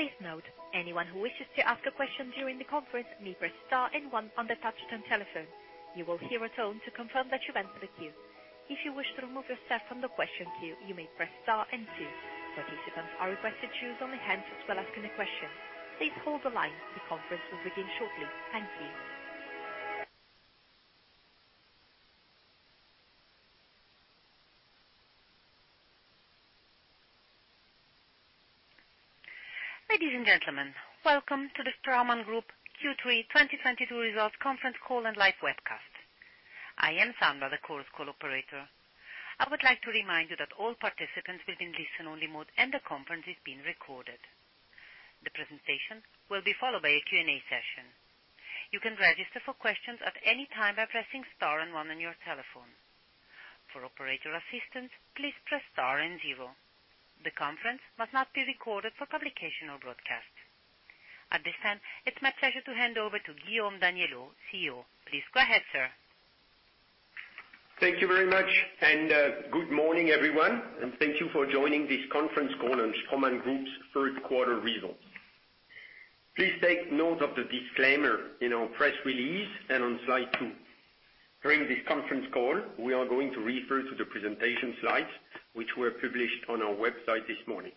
Please note anyone who wishes to ask a question during the conference may press star and one on their touchtone telephone. You will hear a tone to confirm that you've entered the queue. If you wish to remove yourself from the question queue, you may press star and two. Participants are requested to use only hands up while asking a question. Please hold the line. The conference will begin shortly. Thank you. Ladies and gentlemen, welcome to the Straumann Group Q3 2022 results conference call and live webcast. I am Sandra, the conference call operator. I would like to remind you that all participants will be in listen only mode, and the conference is being recorded. The presentation will be followed by a Q&A session. You can register for questions at any time by pressing star and one on your telephone. For operator assistance, please press star and zero. The conference must not be recorded for publication or broadcast. At this time, it's my pleasure to hand over to Guillaume Daniellot, CEO. Please go ahead, sir. Thank you very much. Good morning, everyone, and thank you for joining this conference call on Straumann Group's third quarter results. Please take note of the disclaimer in our press release and on Slide 2. During this conference call, we are going to refer to the presentation slides, which were published on our website this morning.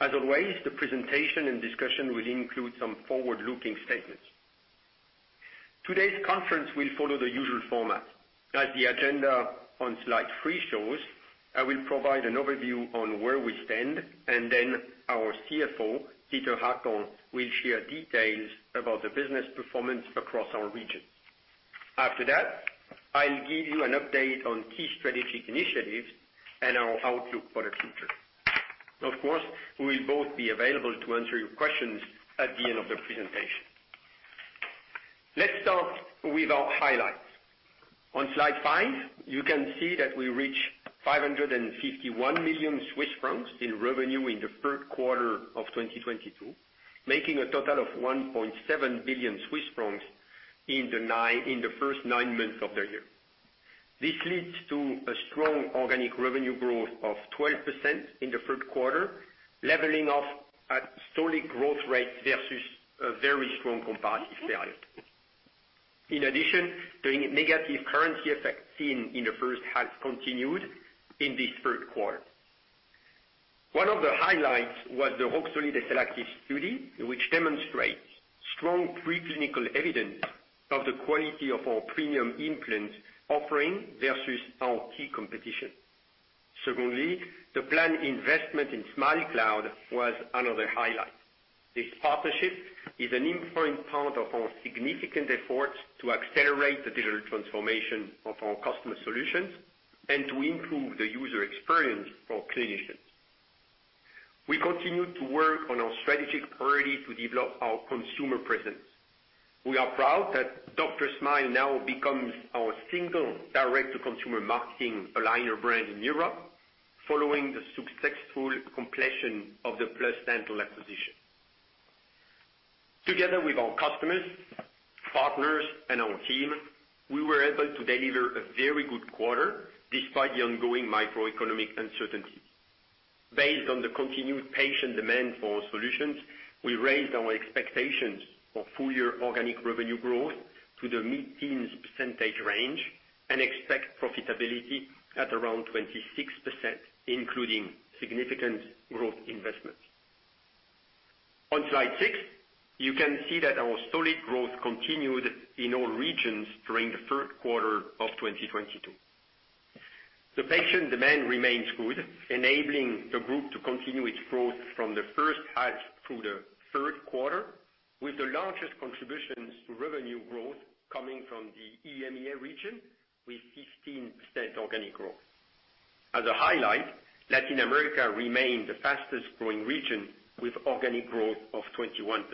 As always, the presentation and discussion will include some forward-looking statements. Today's conference will follow the usual format. As the agenda on Slide 3 shows, I will provide an overview on where we stand, and then our CFO, Peter Hackel, will share details about the business performance across our regions. After that, I'll give you an update on key strategic initiatives and our outlook for the future. Of course, we will both be available to answer your questions at the end of the presentation. Let's start with our highlights. On Slide 5, you can see that we reached 551 million Swiss francs in revenue in the third quarter of 2022, making a total of 1.7 billion Swiss francs in the first nine months of the year. This leads to a strong organic revenue growth of 12% in the third quarter, leveling off at solid growth rate versus a very strong comparative period. In addition, the negative currency effect seen in the first half continued in this third quarter. One of the highlights was the Roxolid SLActive study, which demonstrates strong pre-clinical evidence of the quality of our premium implants offering versus our key competition. Secondly, the planned investment in Smilecloud was another highlight. This partnership is an important part of our significant efforts to accelerate the digital transformation of our customer solutions and to improve the user experience for clinicians. We continue to work on our strategic priority to develop our consumer presence. We are proud that Dr. Smile now becomes our single direct-to-consumer marketing aligner brand in Europe, following the successful completion of the PlusDental acquisition. Together with our customers, partners, and our team, we were able to deliver a very good quarter despite the ongoing macroeconomic uncertainty. Based on the continued patient demand for our solutions, we raised our expectations for full-year organic revenue growth to the mid-teens percentage range and expect profitability at around 26%, including significant growth investments. On Slide 6, you can see that our solid growth continued in all regions during the third quarter of 2022. The patient demand remains good, enabling the group to continue its growth from the first half through the third quarter, with the largest contributions to revenue growth coming from the EMEA region with 15% organic growth. As a highlight, Latin America remained the fastest growing region with organic growth of 21%.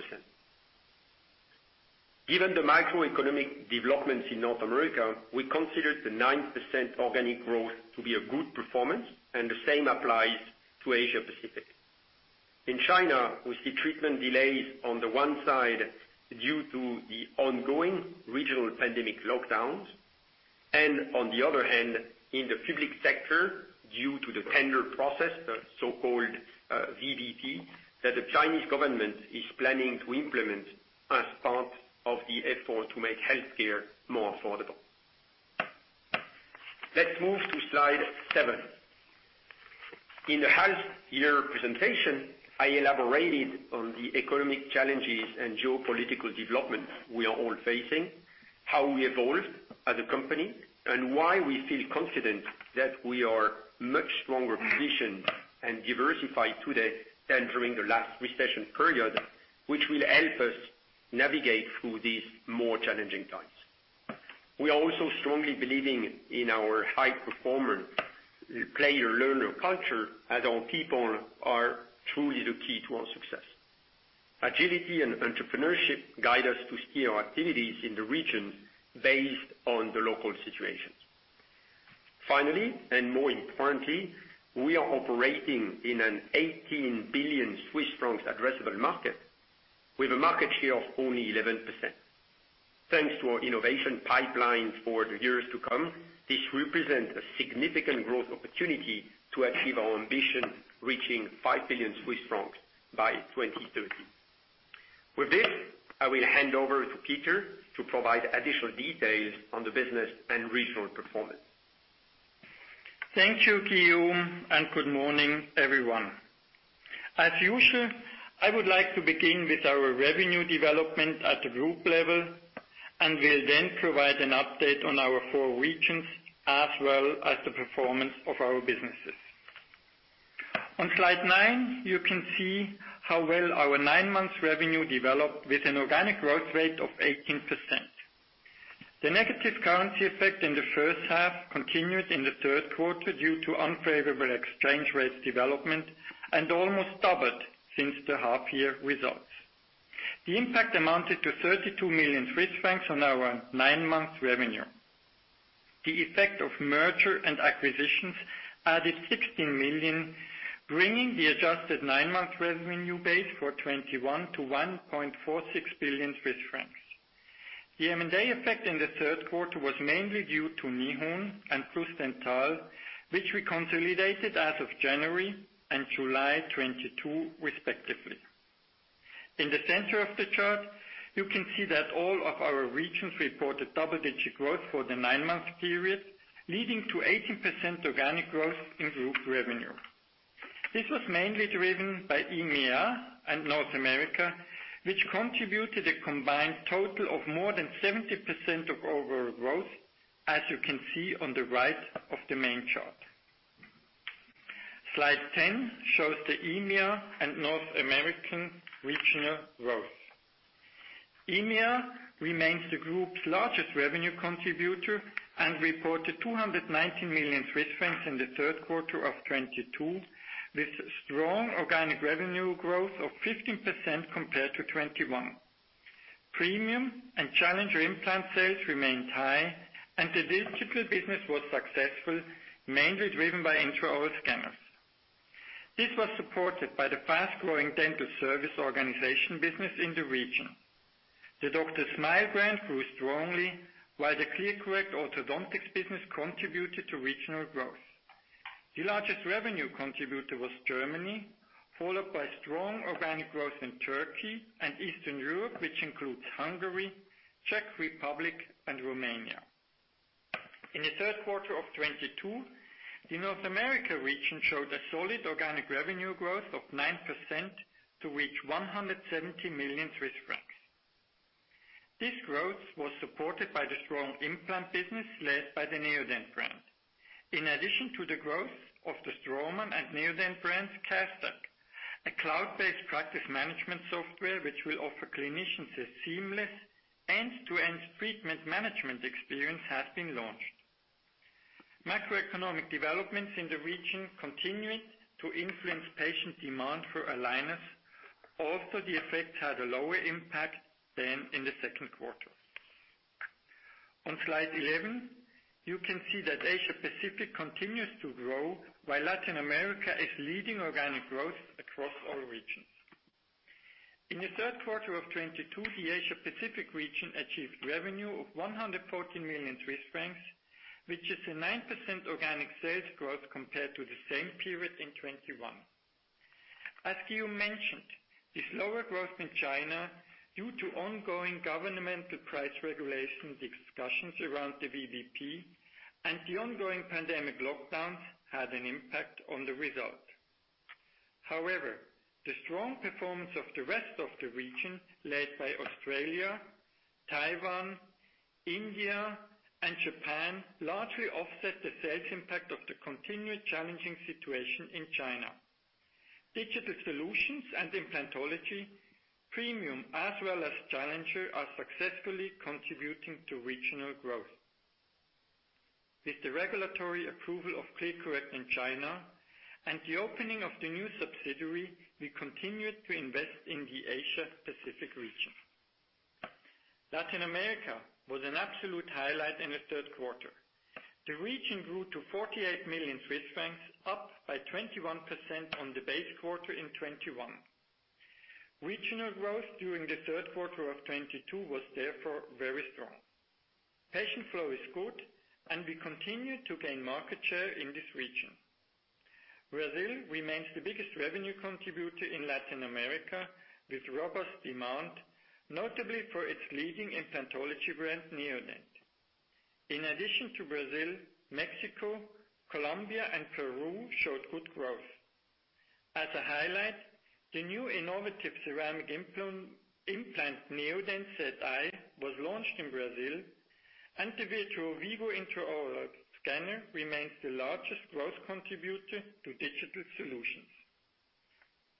Given the macroeconomic developments in North America, we considered the 9% organic growth to be a good performance, and the same applies to Asia Pacific. In China, we see treatment delays on the one side due to the ongoing regional pandemic lockdowns. On the other hand, in the public sector, due to the tender process, the so-called VBP, that the Chinese government is planning to implement as part of the effort to make healthcare more affordable. Let's move to Slide 7. In the half year presentation, I elaborated on the economic challenges and geopolitical developments we are all facing, how we evolved as a company, and why we feel confident that we are much stronger positioned and diversified today than during the last recession period, which will help us navigate through these more challenging times. We are also strongly believing in our high performance play or learner culture, as our people are truly the key to our success. Agility and entrepreneurship guide us to steer our activities in the region based on the local situations. Finally, and more importantly, we are operating in a 18 billion Swiss francs addressable market with a market share of only 11%. Thanks to our innovation pipelines for the years to come, this represents a significant growth opportunity to achieve our ambition, reaching 5 billion Swiss francs by 2030. With this, I will hand over to Peter to provide additional details on the business and regional performance. Thank you, Guillaume, and good morning, everyone. As usual, I would like to begin with our revenue development at the group level and will then provide an update on our four regions, as well as the performance of our businesses. On Slide 9, you can see how well our nine-month revenue developed with an organic growth rate of 18%. The negative currency effect in the first half continued in the third quarter due to unfavorable exchange rates development and almost doubled since the half year results. The impact amounted to 32 million Swiss francs on our nine months revenue. The effect of merger and acquisitions added 16 million, bringing the adjusted nine-month revenue base for 2021 to 1.46 billion Swiss francs. The M&A effect in the third quarter was mainly due to Nihon and Frustel, which we consolidated as of January and July 2022 respectively. In the center of the chart, you can see that all of our regions reported double-digit growth for the nine-month period, leading to 18% organic growth in group revenue. This was mainly driven by EMEA and North America, which contributed a combined total of more than 70% of overall growth, as you can see on the right of the main chart. Slide 10 shows the EMEA and North America regional growth. EMEA remains the group's largest revenue contributor and reported 219 million Swiss francs in the third quarter of 2022, with strong organic revenue growth of 15% compared to 2021. Premium and Challenger implant sales remained high, and the digital business was successful, mainly driven by intraoral scanners. This was supported by the fast-growing dental service organization business in the region. The Dr. Smile brand grew strongly while the ClearCorrect orthodontics business contributed to regional growth. The largest revenue contributor was Germany, followed by strong organic growth in Turkey and Eastern Europe, which includes Hungary, Czech Republic, and Romania. In the third quarter of 2022, the North America region showed a solid organic revenue growth of 9% to reach 170 million Swiss francs. This growth was supported by the strong implant business led by the Neodent brand. In addition to the growth of the Straumann and Neodent brands, CareStack, a cloud-based practice management software which will offer clinicians a seamless end-to-end treatment management experience, has been launched. Macroeconomic developments in the region continued to influence patient demand for aligners, although the effect had a lower impact than in the second quarter. On Slide 11, you can see that Asia Pacific continues to grow while Latin America is leading organic growth across all regions. In the third quarter of 2022, the Asia Pacific region achieved revenue of 114 million Swiss francs, which is a 9% organic sales growth compared to the same period in 2021. As Guillaume mentioned, the slower growth in China due to ongoing governmental price regulation discussions around the VBP and the ongoing pandemic lockdowns had an impact on the result. However, the strong performance of the rest of the region, led by Australia, Taiwan, India, and Japan, largely offset the sales impact of the continued challenging situation in China. Digital solutions and implantology, premium as well as Challenger, are successfully contributing to regional growth. With the regulatory approval of ClearCorrect in China and the opening of the new subsidiary, we continued to invest in the Asia Pacific region. Latin America was an absolute highlight in the third quarter. The region grew to 48 million Swiss francs, up 21% on the base quarter in 2021. Regional growth during the third quarter of 2022 was therefore very strong. Patient flow is good, and we continue to gain market share in this region. Brazil remains the biggest revenue contributor in Latin America, with robust demand, notably for its leading implantology brand, Neodent. In addition to Brazil, Mexico, Colombia, and Peru showed good growth. As a highlight, the new innovative ceramic implant, Neodent ZI, was launched in Brazil, and the Virtuo Vivo intraoral scanner remains the largest growth contributor to digital solutions.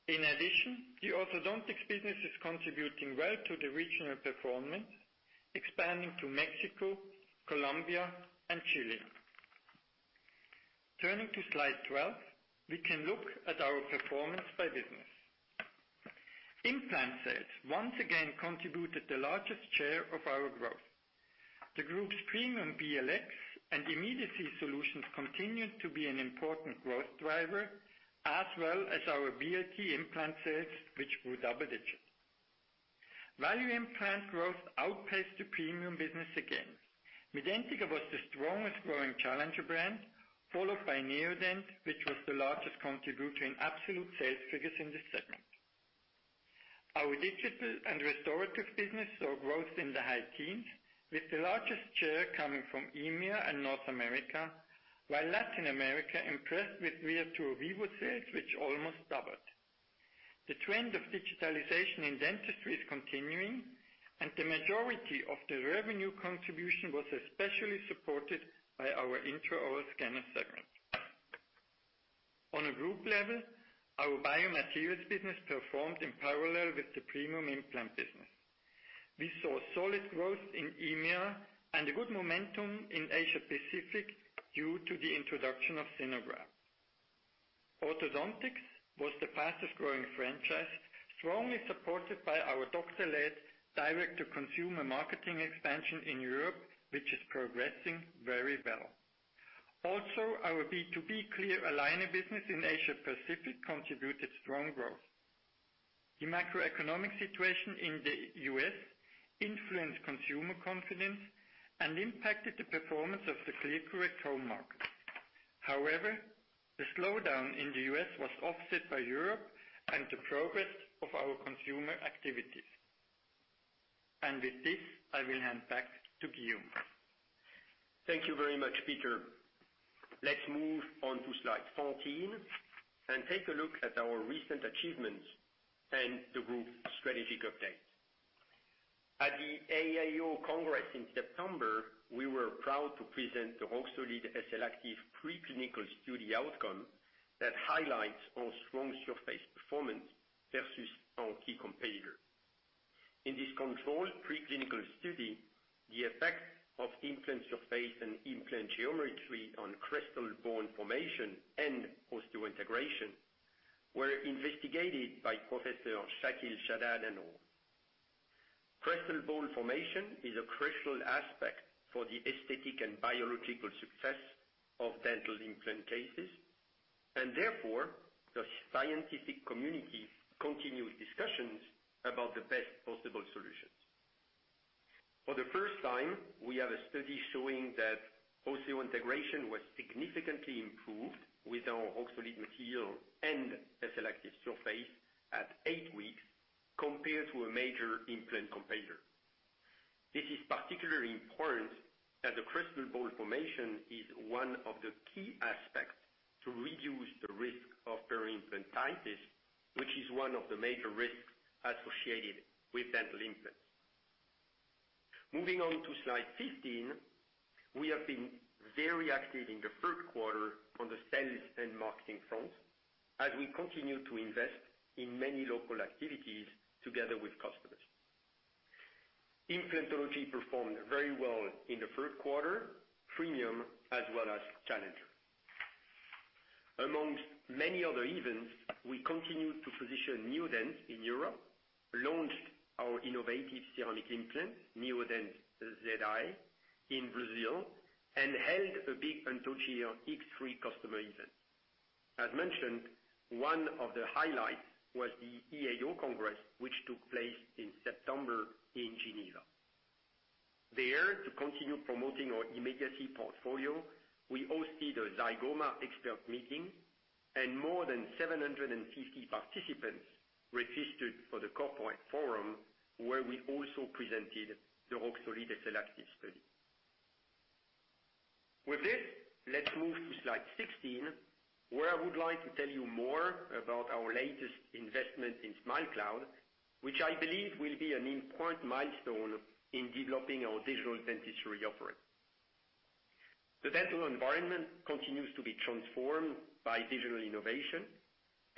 In addition, the orthodontics business is contributing well to the regional performance, expanding to Mexico, Colombia, and Chile. Turning to Slide 12, we can look at our performance by business. Implant sales once again contributed the largest share of our growth. The group's premium BLX and immediacy solutions continued to be an important growth driver, as well as our BLT implant sales, which grew double digits. Value implant growth outpaced the premium business again. Medentika was the strongest growing challenger brand, followed by Neodent, which was the largest contributor in absolute sales figures in this segment. Our digital and restorative business saw growth in the high teens, with the largest share coming from EMEA and North America, while Latin America impressed with Virtuo Vivo sales, which almost doubled. The trend of digitalization in dentistry is continuing, and the majority of the revenue contribution was especially supported by our intraoral scanner segment. On a group level, our biomaterials business performed in parallel with the premium implant business. We saw solid growth in EMEA and good momentum in Asia Pacific due to the introduction of Synergan. Orthodontics was the fastest growing franchise, strongly supported by our doctor-led direct-to-consumer marketing expansion in Europe, which is progressing very well. Also, our B2B clear aligner business in Asia Pacific contributed strong growth. The macroeconomic situation in the U.S. influenced consumer confidence and impacted the performance of the ClearCorrect home market. However, the slowdown in the U.S. was offset by Europe and the progress of our consumer activities. With this, I will hand back to Guillaume. Thank you very much, Peter. Let's move on to Slide 14 and take a look at our recent achievements and the group's strategic update. At the AAO Congress in September, we were proud to present the Roxolid SLActive preclinical study outcome that highlights our strong surface performance versus our key competitor. In this controlled preclinical study, the effect of implant surface and implant geometry on crestal bone formation and osseointegration were investigated by Professor Shihab Al-Kuran et al. Crestal bone formation is a crucial aspect for the aesthetic and biological success of dental implant cases, and therefore, the scientific community continues discussions about the best possible solutions. For the first time, we have a study showing that osseointegration was significantly improved with our Roxolid material and SLActive surface at eight weeks compared to a major implant competitor. This is particularly important as the crestal bone formation is one of the key aspects to reduce the risk of peri-implantitis, which is one of the major risks associated with dental implants. Moving on to Slide 15. We have been very active in the third quarter on the sales and marketing front as we continue to invest in many local activities together with customers. Implantology performed very well in the third quarter, premium as well as challenger. Among many other events, we continued to position Neodent in Europe, launched our innovative ceramic implant, Neodent ZI in Brazil, and held a big SIRIOS X3 customer event. As mentioned, one of the highlights was the EAO Congress, which took place in September in Geneva. There, to continue promoting our immediacy portfolio, we hosted a Zygomatic expert meeting and more than 750 participants registered for the corporate forum, where we also presented the Roxolid SLActive study. With this, let's move to Slide 16, where I would like to tell you more about our latest investment in Smilecloud, which I believe will be an important milestone in developing our digital dentistry offering. The dental environment continues to be transformed by digital innovation,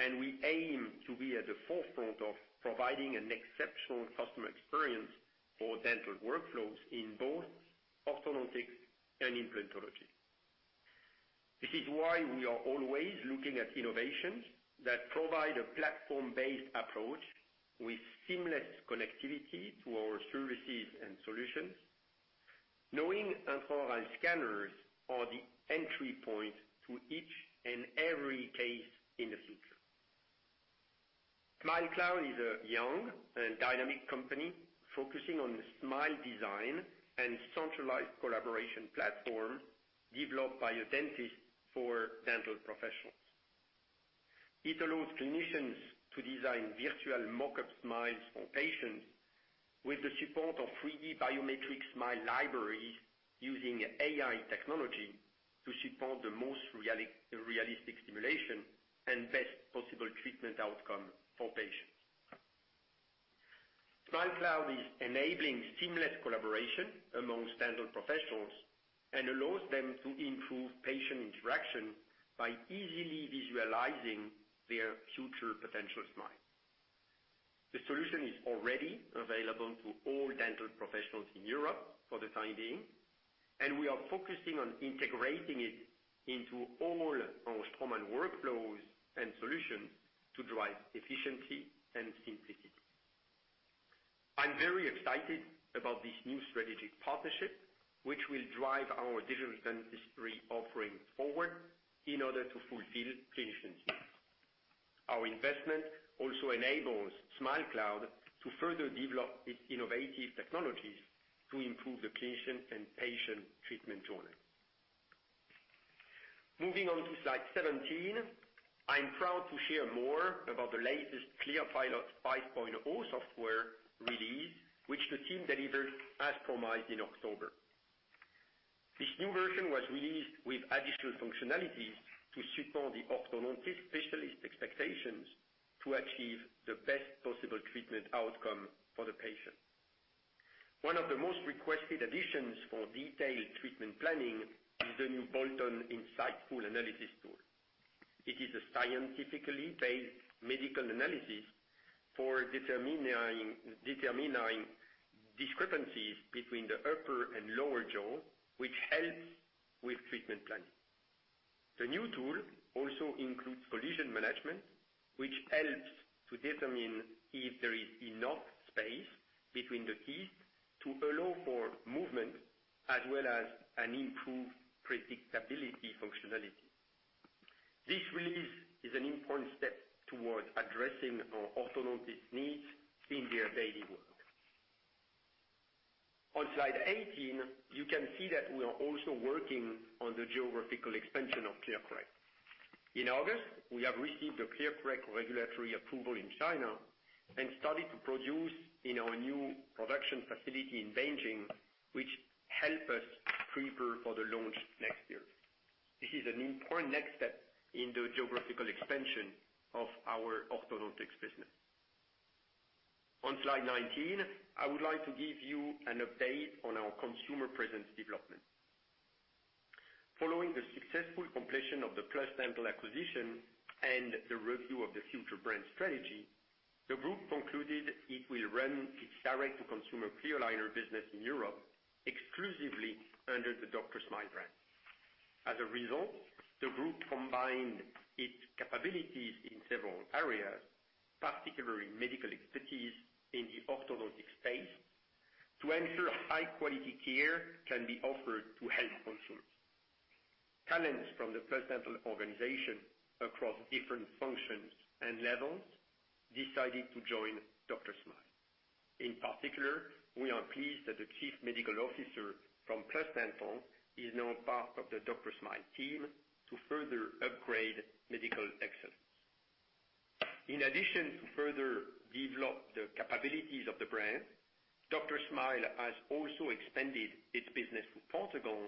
and we aim to be at the forefront of providing an exceptional customer experience for dental workflows in both orthodontics and implantology. This is why we are always looking at innovations that provide a platform-based approach with seamless connectivity to our services and solutions, knowing intraoral scanners are the entry point to each and every case in the future. Smilecloud is a young and dynamic company focusing on smile design and centralized collaboration platform developed by a dentist for dental professionals. It allows clinicians to design virtual mock-up smiles for patients with the support of three-dimensional biometric smile libraries using AI technology to support the most realistic simulation and best possible treatment outcome for patients. Smilecloud is enabling seamless collaboration among dental professionals and allows them to improve patient interaction by easily visualizing their future potential smile. The solution is already available to all dental professionals in Europe for the time being. We are focusing on integrating it into all our Straumann workflows and solutions to drive efficiency and simplicity. I'm very excited about this new strategic partnership, which will drive our digital dentistry offering forward in order to fulfill clinicians' needs. Our investment also enables Smilecloud to further develop its innovative technologies to improve the clinician and patient treatment journey. Moving on to Slide 17, I'm proud to share more about the latest ClearPilot 5.0 software release, which the team delivered as promised in October. This new version was released with additional functionalities to support the orthodontist specialist expectations to achieve the best possible treatment outcome for the patient. One of the most requested additions for detailed treatment planning is the new Bolton Insight analysis tool. It is a scientifically based medical analysis for determining discrepancies between the upper and lower jaw, which helps with treatment planning. The new tool also includes collision management, which helps to determine if there is enough space between the teeth to allow for movement, as well as an improved predictability functionality. This release is an important step towards addressing our orthodontist needs in their daily work. On Slide 18, you can see that we are also working on the geographical expansion of ClearCorrect. In August, we have received the ClearCorrect regulatory approval in China and started to produce in our new production facility in Beijing, which help us prepare for the launch next year. This is an important next step in the geographical expansion of our orthodontics business. On Slide 19, I would like to give you an update on our consumer presence development. Following the successful completion of the PlusDental acquisition and the review of the future brand strategy, the group concluded it will run its direct-to-consumer clear aligner business in Europe exclusively under the Dr. Smile brand. As a result, the group combined its capabilities in several areas, particularly medical expertise in the orthodontic space, to ensure high-quality care can be offered to help consumers. Talents from the PlusDental organization across different functions and levels decided to join Dr. Smile. In particular, we are pleased that the chief medical officer from PlusDental is now part of the Dr. Smile team to further upgrade medical excellence. In addition to further develop the capabilities of the brand, Dr. Smile has also expanded its business to Portugal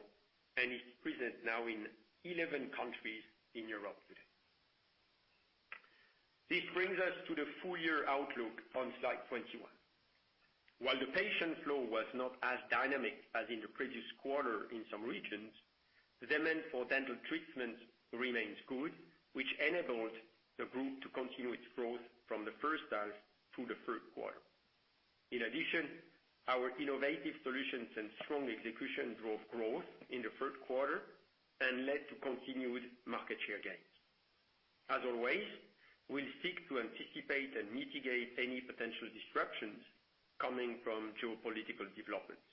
and is present now in 11 countries in Europe today. This brings us to the full year outlook on Slide 21. While the patient flow was not as dynamic as in the previous quarter in some regions, demand for dental treatment remains good, which enabled the group to continue its growth from the first half through the third quarter. In addition, our innovative solutions and strong execution drove growth in the third quarter and led to continued market share gains. As always, we'll seek to anticipate and mitigate any potential disruptions coming from geopolitical developments.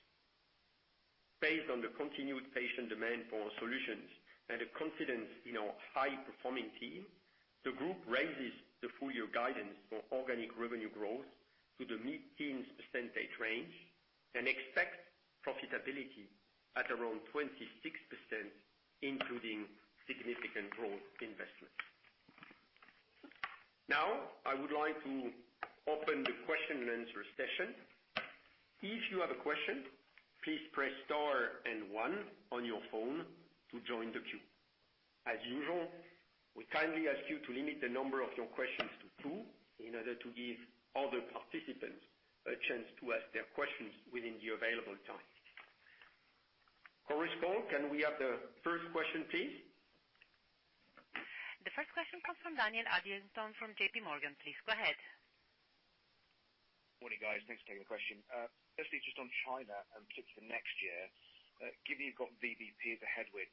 Based on the continued patient demand for our solutions and the confidence in our high-performing team, the group raises the full-year guidance for organic revenue growth to the mid-teens percentage range and expects profitability at around 26%, including significant growth investments. Now, I would like to open the question and answer session. If you have a question, please press star and one on your phone to join the queue. As usual, we kindly ask you to limit the number of your questions to two, in order to give other participants a chance to ask their questions within the available time. Correspondent, can we have the first question, please? The first question comes from David Adlington from J.P. Morgan. Please go ahead. Morning, guys. Thanks for taking the question. Firstly, just on China and particularly next year, given you've got VBP as a headwind,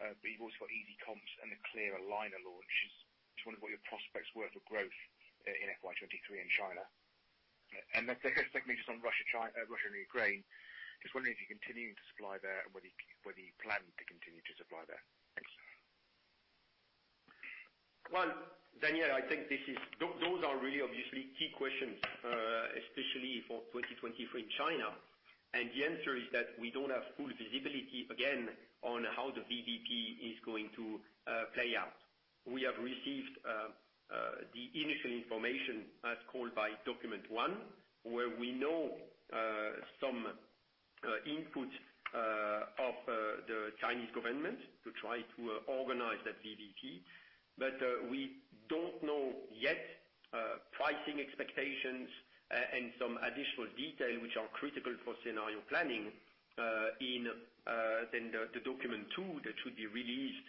but you've also got easy comps and the clear aligner launch, just wondering what your prospects were for growth in FY 2023 in China. Second question is on Russia and Ukraine. Just wondering if you're continuing to supply there and whether you plan to continue to supply there. Thanks. Well, Daniel, those are really obviously key questions, especially for 2023 China. The answer is that we don't have full visibility again on how the VBP is going to play out. We have received the initial information as called by document one, where we know some input of the Chinese government to try to organize the VBP. Yet pricing expectations and some additional detail which are critical for scenario planning in the document two that should be released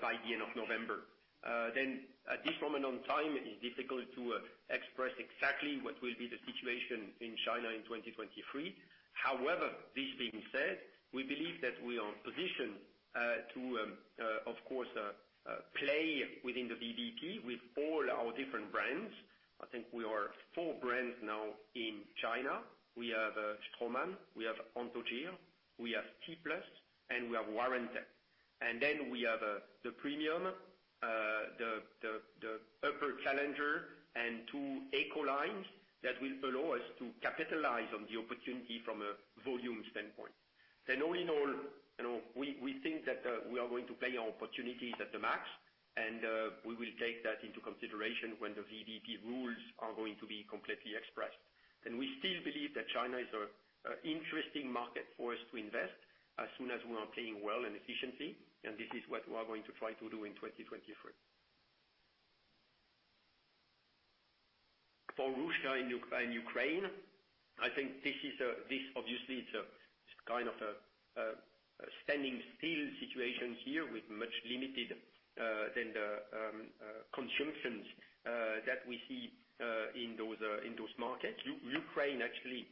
by the end of November. At this moment in time, it is difficult to express exactly what will be the situation in China in 2023. However, this being said, we believe that we are positioned to of course play within the VBP with all our different brands. I think we are four brands now in China. We have Straumann, we have Anthogyr, we have T-Plus, and we have Warantec. We have the premium, the upper challenger and two eco lines that will allow us to capitalize on the opportunity from a volume standpoint. All in all, you know, we think that we are going to play our opportunities at the max and we will take that into consideration when the VBP rules are going to be completely expressed. We still believe that China is an interesting market for us to invest as soon as we are playing well in efficiency, and this is what we are going to try to do in 2023. For Russia and Ukraine, I think this obviously is a kind of a standing still situation here with much more limited than the consumption that we see in those markets. Ukraine actually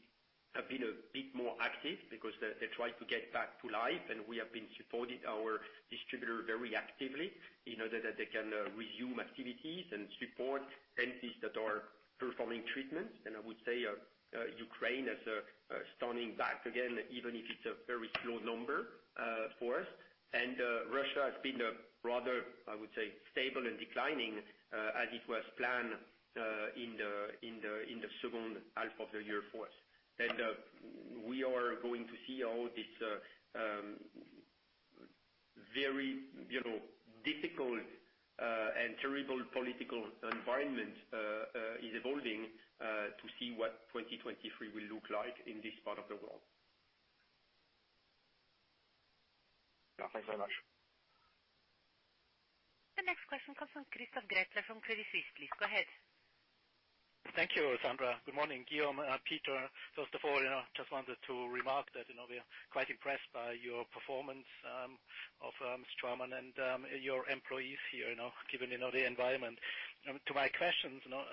has been a bit more active because they try to get back to life, and we have been supporting our distributor very actively in order that they can resume activities and support entities that are performing treatments. I would say Ukraine has starting back again, even if it's a very slow number for us. Russia has been a rather, I would say, stable and declining, as it was planned, in the second half of the year for us. We are going to see how this, very, you know, difficult, and terrible political environment, is evolving, to see what 2023 will look like in this part of the world. Yeah, thanks so much. The next question comes from Christoph Gretler from MIV Asset Management AG. Please go ahead. Thank you, Sandra. Good morning, Guillaume, Peter. First of all, you know, just wanted to remark that, you know, we are quite impressed by your performance of Straumann and your employees here, you know, given the environment. To my questions, you know,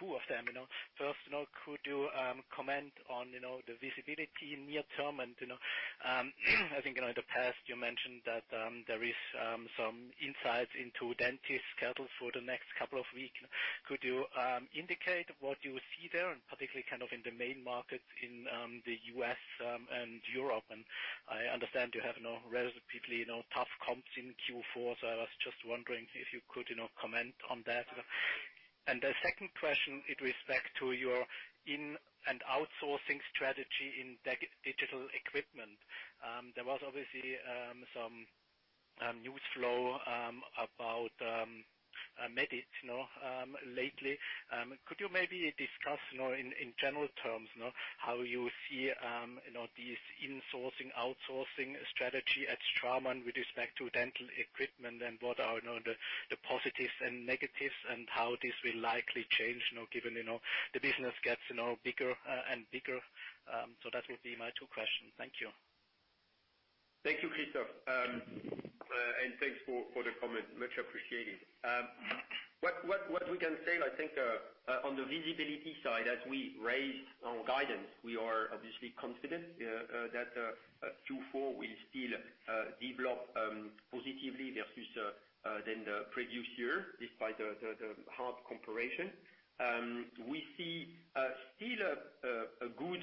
two of them, you know. First, you know, could you comment on the visibility near term and, you know, I think, you know, in the past you mentioned that there is some insights into dentist schedules for the next couple of weeks. Could you indicate what you see there, and particularly kind of in the main markets in the U.S. and Europe? I understand you have relatively tough comps in Q4, so I was just wondering if you could comment on that. The second question, with respect to your insourcing and outsourcing strategy in digital equipment. There was obviously some news flow about Medit, you know, lately. Could you maybe discuss, you know, in general terms, you know, how you see, you know, this insourcing and outsourcing strategy at Straumann with respect to dental equipment and what are, you know, the positives and negatives and how this will likely change, you know, given, you know, the business gets, you know, bigger and bigger. So that would be my two questions. Thank you. Thank you, Christoph. Thanks for the comment, much appreciated. What we can say, I think, on the visibility side, as we raise our guidance, we are obviously confident that Q4 will still develop positively versus the previous year, despite the hard comparison. We see still a good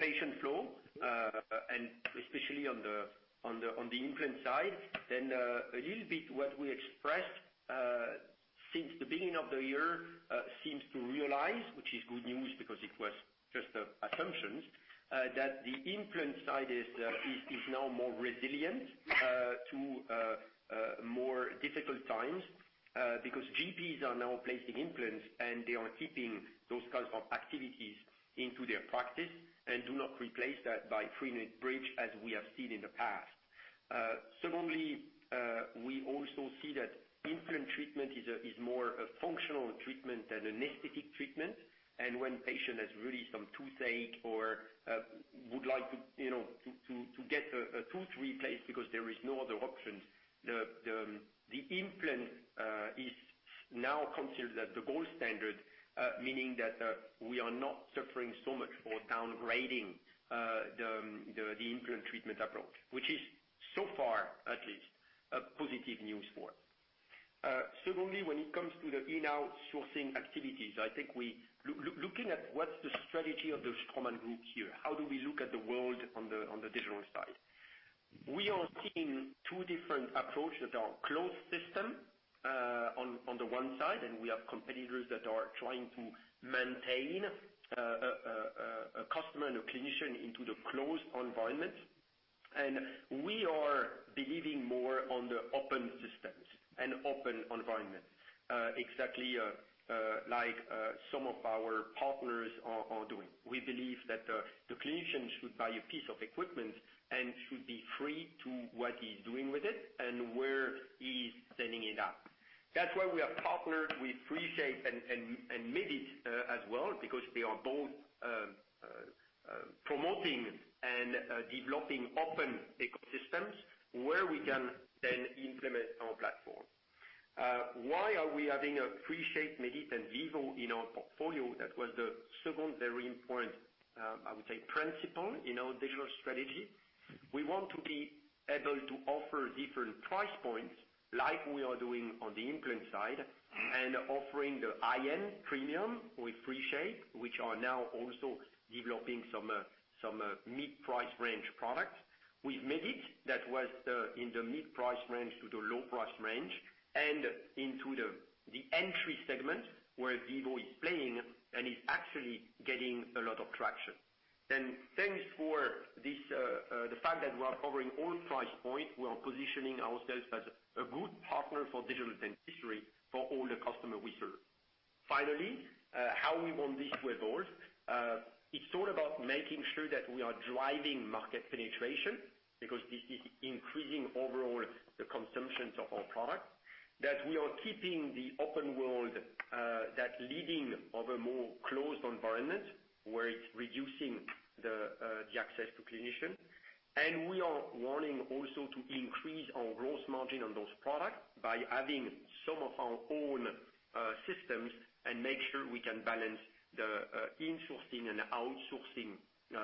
patient flow and especially on the implant side. A little bit what we expressed since the beginning of the year seems to realize, which is good news because it was just assumptions that the implant side is now more resilient to more difficult times because GPs are now placing implants and they are keeping those kinds of activities into their practice and do not replace that by three-unit bridge as we have seen in the past. Secondly, we also see that implant treatment is more a functional treatment than an aesthetic treatment. When patient has really some toothache or would like to, you know, to get a tooth replaced because there is no other option, the implant is now considered the gold standard, meaning that we are not suffering so much for downgrading the implant treatment approach, which is so far at least a positive news for us. Secondly, when it comes to the in-house sourcing activities, I think looking at what's the strategy of the Straumann Group here, how do we look at the world on the digital side? We are seeing two different approaches that are closed system on the one side, and we have competitors that are trying to maintain a customer and a clinician into the closed environment. We are believing more on the open systems and open environment, exactly, like, some of our partners are doing. We believe that the clinician should buy a piece of equipment and should be free to what he's doing with it and where he's setting it up. That's why we have partnered with 3Shape and Medit as well, because they are both promoting and developing open ecosystems where we can then implement our platform. Why are we having a 3Shape, Medit and Vivo in our portfolio? That was the second very important, I would say, principle in our digital strategy. We want to be able to offer different price points like we are doing on the implant side, and offering the high-end premium with 3Shape, which are now also developing some mid-price range products. With Medit, that was in the mid-price range to the low price range and into the entry segment where Vivo is playing and is actually getting a lot of traction. Thanks to this fact that we are covering all price points, we are positioning ourselves as a good partner for digital dentistry for all the customers we serve. Finally, how we want this to evolve. It's all about making sure that we are driving market penetration because this is increasing overall the consumption of our product. That we are keeping the open world as opposed to leading to a more closed environment where it's reducing the access to clinicians. We are wanting also to increase our gross margin on those products by having some of our own systems and make sure we can balance the insourcing and outsourcing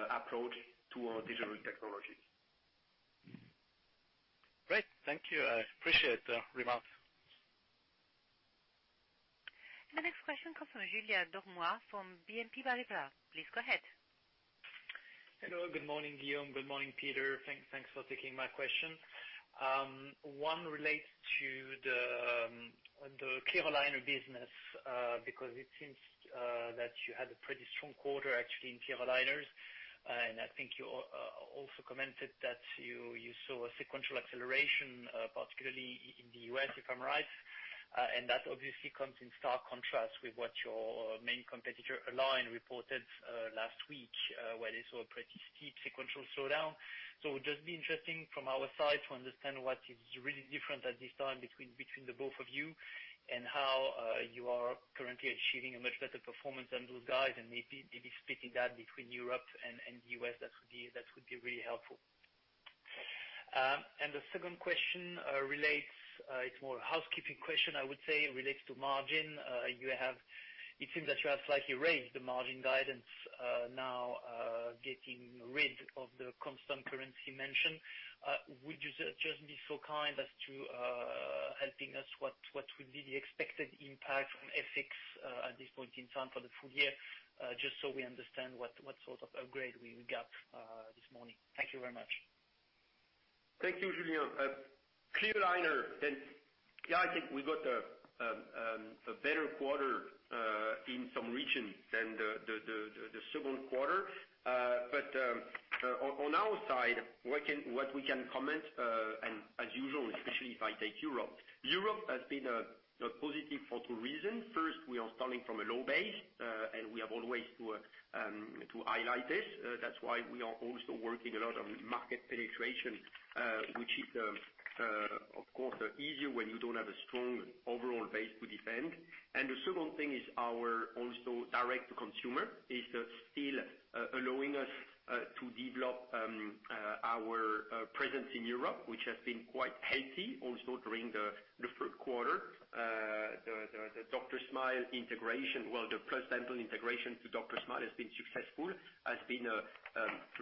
approach to our digital technologies. Great. Thank you. I appreciate the remarks. The next question comes from Julien Dormois from BNP Paribas. Please go ahead. Hello, good morning, Guillaume. Good morning, Peter. Thanks for taking my question. One relates to the clear aligner business because it seems that you had a pretty strong quarter actually in clear aligners. I think you also commented that you saw a sequential acceleration particularly in the U.S., if I'm right. That obviously comes in stark contrast with what your main competitor, Align, reported last week, where they saw a pretty steep sequential slowdown. It would just be interesting from our side to understand what is really different at this time between the both of you and how you are currently achieving a much better performance than those guys, and maybe splitting that between Europe and the U.S. That would be really helpful. The second question, it's more a housekeeping question, I would say, relates to margin. You have, it seems that you have slightly raised the margin guidance, now getting rid of the constant currency mention. Would you just be so kind as to what would be the expected impact from FX at this point in time for the full year, just so we understand what sort of upgrade we got this morning. Thank you very much. Thank you, Julien. Clear aligner, then yeah, I think we got a better quarter in some regions than the second quarter. On our side, what we can comment and as usual, especially if I take Europe. Europe has been a positive for two reasons. First, we are starting from a low base, and we have always to highlight this. That's why we are also working a lot on market penetration, which is, of course, easier when you don't have a strong overall base to defend. The second thing is our also direct to consumer is still allowing us to develop our presence in Europe, which has been quite healthy also during the third quarter. The Dr. Smile integration, well, the PlusDental integration to Dr. Smile has been successful, has been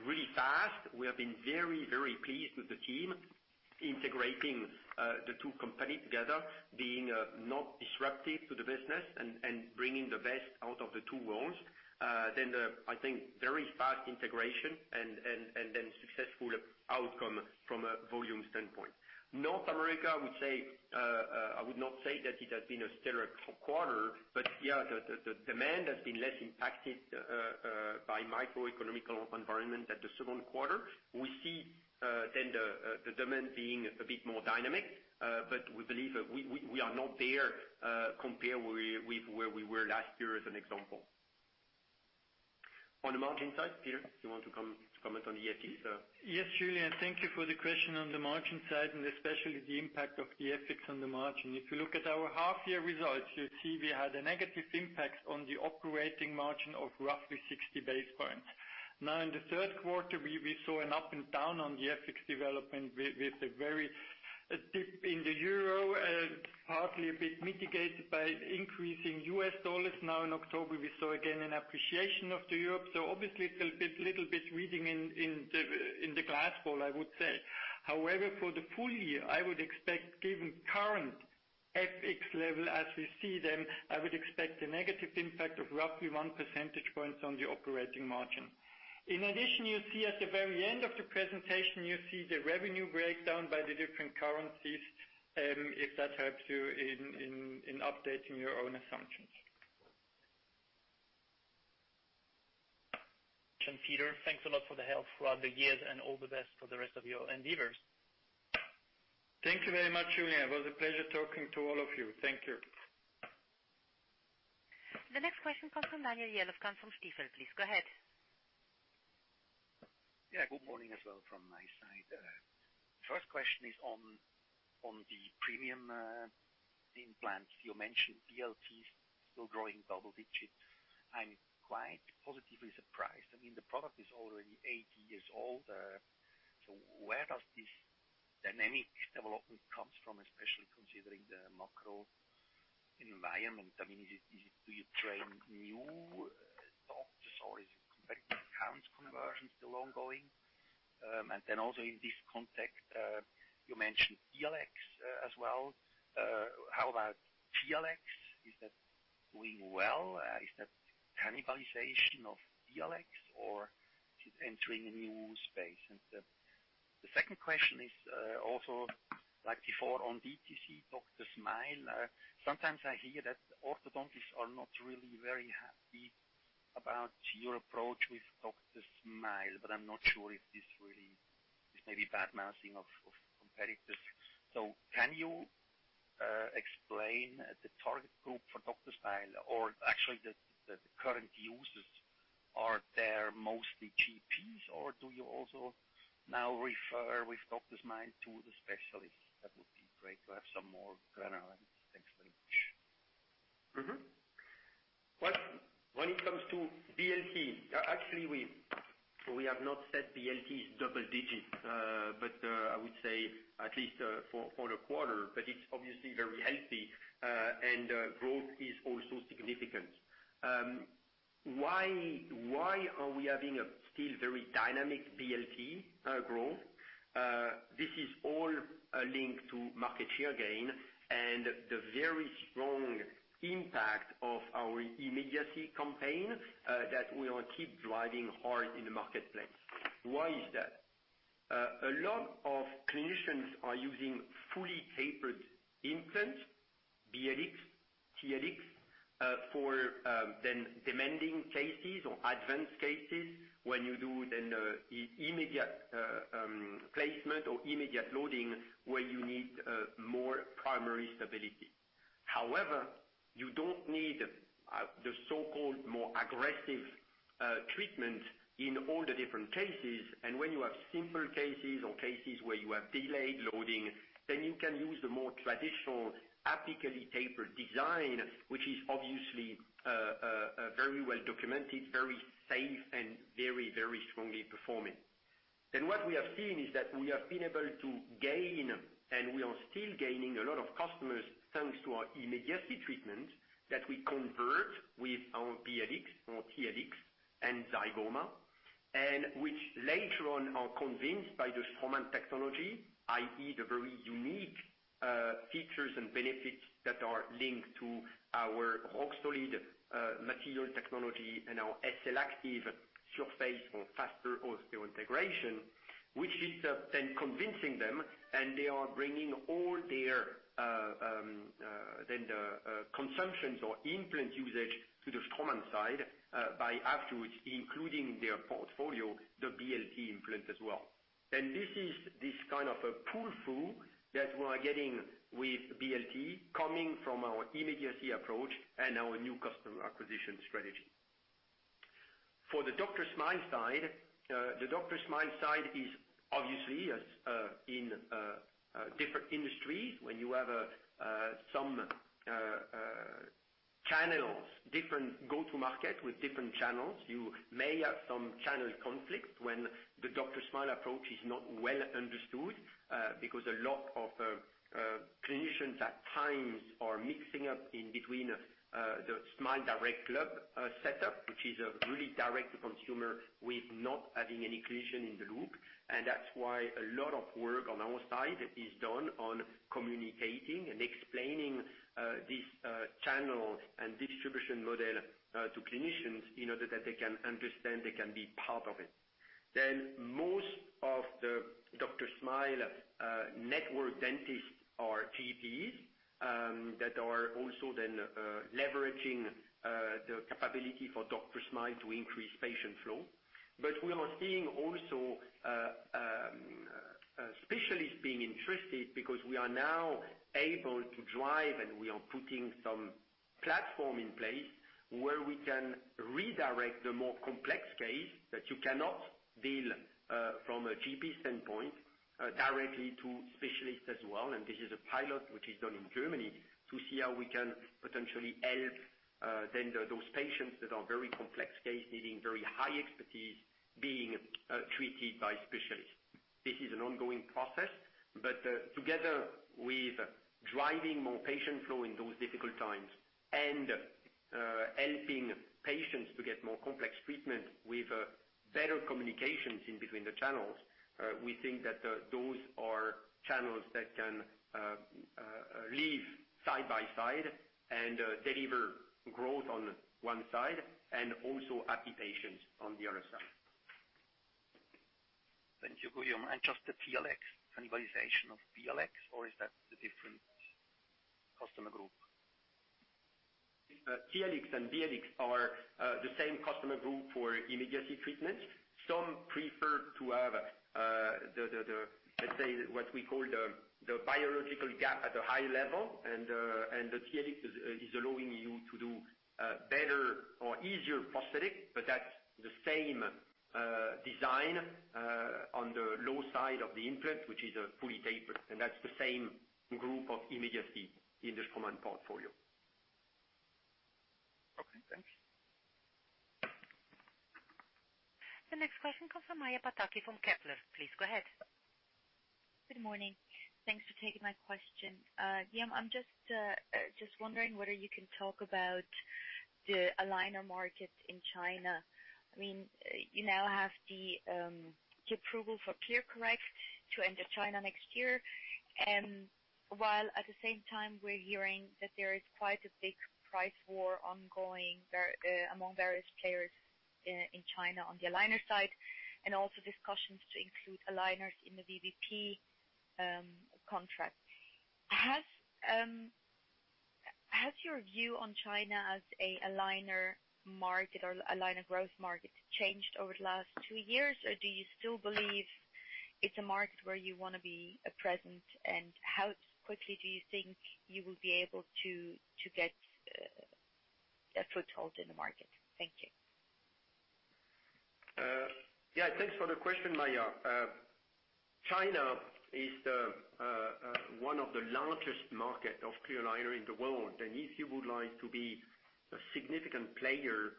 really fast. We have been very pleased with the team integrating the two company together, being not disruptive to the business and bringing the best out of the two worlds. Then the, I think, very fast integration and then successful outcome from a volume standpoint. North America, I would say, I would not say that it has been a stellar quarter. Yeah, the demand has been less impacted by macroeconomic environment than the second quarter. We see the demand being a bit more dynamic, but we believe we are not there compared where we were last year as an example. On the margin side, Peter, do you want to comment on the FX? Yes, Julien, thank you for the question on the margin side, and especially the impact of the FX on the margin. If you look at our half year results, you'll see we had a negative impact on the operating margin of roughly 60 basis points. Now in the third quarter, we saw an up and down on the FX development with a dip in the euro, partly a bit mitigated by increasing U.S. dollars. Now in October, we saw again an appreciation of the euro. So obviously it's a little bit reading in the crystal ball, I would say. However, for the full year, I would expect given current FX level as we see them, I would expect a negative impact of roughly one percentage points on the operating margin. In addition, you see at the very end of the presentation, you see the revenue breakdown by the different currencies, if that helps you in updating your own assumptions. Guillaume, Peter, thanks a lot for the help throughout the years, and all the best for the rest of your endeavors. Thank you very much, Julien. It was a pleasure talking to all of you. Thank you. The next question comes from Daniel Jelovcan from Zürcher Kantonalbank. Please go ahead. Yeah, good morning as well from my side. First question is on the premium implants. You mentioned BLTs still growing double digits. I'm quite positively surprised. I mean, the product is already eight years old, so where does this dynamic development comes from, especially considering the macro environment? I mean, is it, do you train new doctors, or is it competitive accounts conversion still ongoing? And then also in this context, you mentioned TLX as well. How about TLX? Is that doing well? Is that cannibalization of BLX or entering a new space? And, the second question is, also like before on DTC Dr. Smile. Sometimes I hear that orthodontists are not really very happy about your approach with Dr. Smile, but I'm not sure if this really is maybe badmouthing of competitors. Can you explain the target group for Dr. Smile or actually the current users? Are there mostly GPs or do you also now refer with Dr. Smile to the specialists? That would be great to have some more granularity. Thanks very much. Well, when it comes to BLT, actually, we have not said BLT is double digits, but I would say at least for the quarter. It's obviously very healthy, and growth is also significant. Why are we having a still very dynamic BLT growth? This is all a link to market share gain and the very strong impact of our immediacy campaign, that we will keep driving hard in the marketplace. Why is that? A lot of clinicians are using fully tapered implants, BLX, TLX, for then demanding cases or advanced cases when you do then immediate placement or immediate loading, where you need more primary stability. However, you don't need the so-called more aggressive treatment in all the different cases. When you have simpler cases or cases where you have delayed loading, then you can use the more traditional apically tapered design, which is obviously very well documented, very safe, and very, very strongly performing. What we have seen is that we have been able to gain, and we are still gaining a lot of customers, thanks to our immediacy treatment that we convert with our BLX or TLX and Zygomatic, and which later on are convinced by the Straumann technology, i.e., the very unique features and benefits that are linked to our Roxolid material technology and our SLActive surface for faster osseointegration, which is then convincing them, and they are bringing all their then the consumption or implant usage to the Straumann side by afterwards including their portfolio, the BLT implant as well. This is this kind of a pull-through that we are getting with BLT coming from our immediacy approach and our new customer acquisition strategy. For the Dr. Smile side, the Dr. Smile side is obviously as in different industries. When you have some channels, different go-to-market with different channels, you may have some channel conflict when the Dr. Smile approach is not well understood, because a lot of clinicians at times are mixing up in between the SmileDirectClub setup, which is a really direct-to-consumer with not having any clinician in the loop. That's why a lot of work on our side is done on communicating and explaining this channel and distribution model to clinicians in order that they can understand, they can be part of it. Most of the Dr. Smile network dentists are GPs that are also then leveraging the capability for Dr. Smile to increase patient flow. We are seeing also specialists being interested because we are now able to drive, and we are putting some platform in place where we can redirect the more complex case that you cannot deal from a GP standpoint directly to specialists as well, and this is a pilot which is done in Germany to see how we can potentially help those patients that are very complex case, needing very high expertise, being treated by specialists. This is an ongoing process, but together with driving more patient flow in those difficult times and helping patients to get more complex treatment with better communications in between the channels, we think that those are channels that can live side by side and deliver growth on one side and also happy patients on the other side. Thank you, Guillaume. Just the TLX, cannibalization of BLX, or is that the different customer group? TLX and BLX are the same customer group for immediacy treatment. Some prefer to have the, let's say, what we call the biological gap at a high level, and the TLX is allowing you to do better or easier prosthetic, but that's the same design on the low side of the implant, which is a fully tapered, and that's the same group of immediacy in the Straumann portfolio. Okay, thanks. The next question comes from Maja Pataki from Kepler Cheuvreux. Please go ahead. Good morning. Thanks for taking my question. Yeah, I'm just wondering whether you can talk about the aligner market in China. I mean, you now have the approval for ClearCorrect to enter China next year, and while at the same time, we're hearing that there is quite a big price war ongoing among various players in China on the aligner side and also discussions to include aligners in the VBP contract. Has your view on China as an aligner market or aligner growth market changed over the last two years? Or do you still believe it's a market where you wanna be present, and how quickly do you think you will be able to get a foothold in the market? Thank you. Yeah, thanks for the question, Maya. China is the one of the largest market of clear aligner in the world. If you would like to be a significant player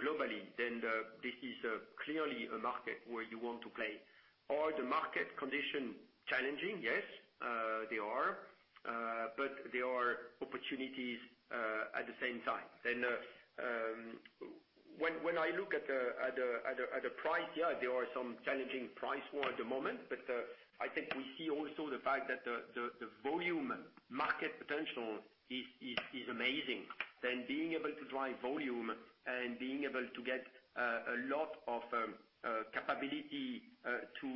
globally, then this is clearly a market where you want to play. Are the market condition challenging? Yes, they are. But there are opportunities at the same time. When I look at the price, yeah, there are some challenging price war at the moment, but I think we see also the fact that the volume market potential is amazing. Being able to drive volume and being able to get a lot of capability to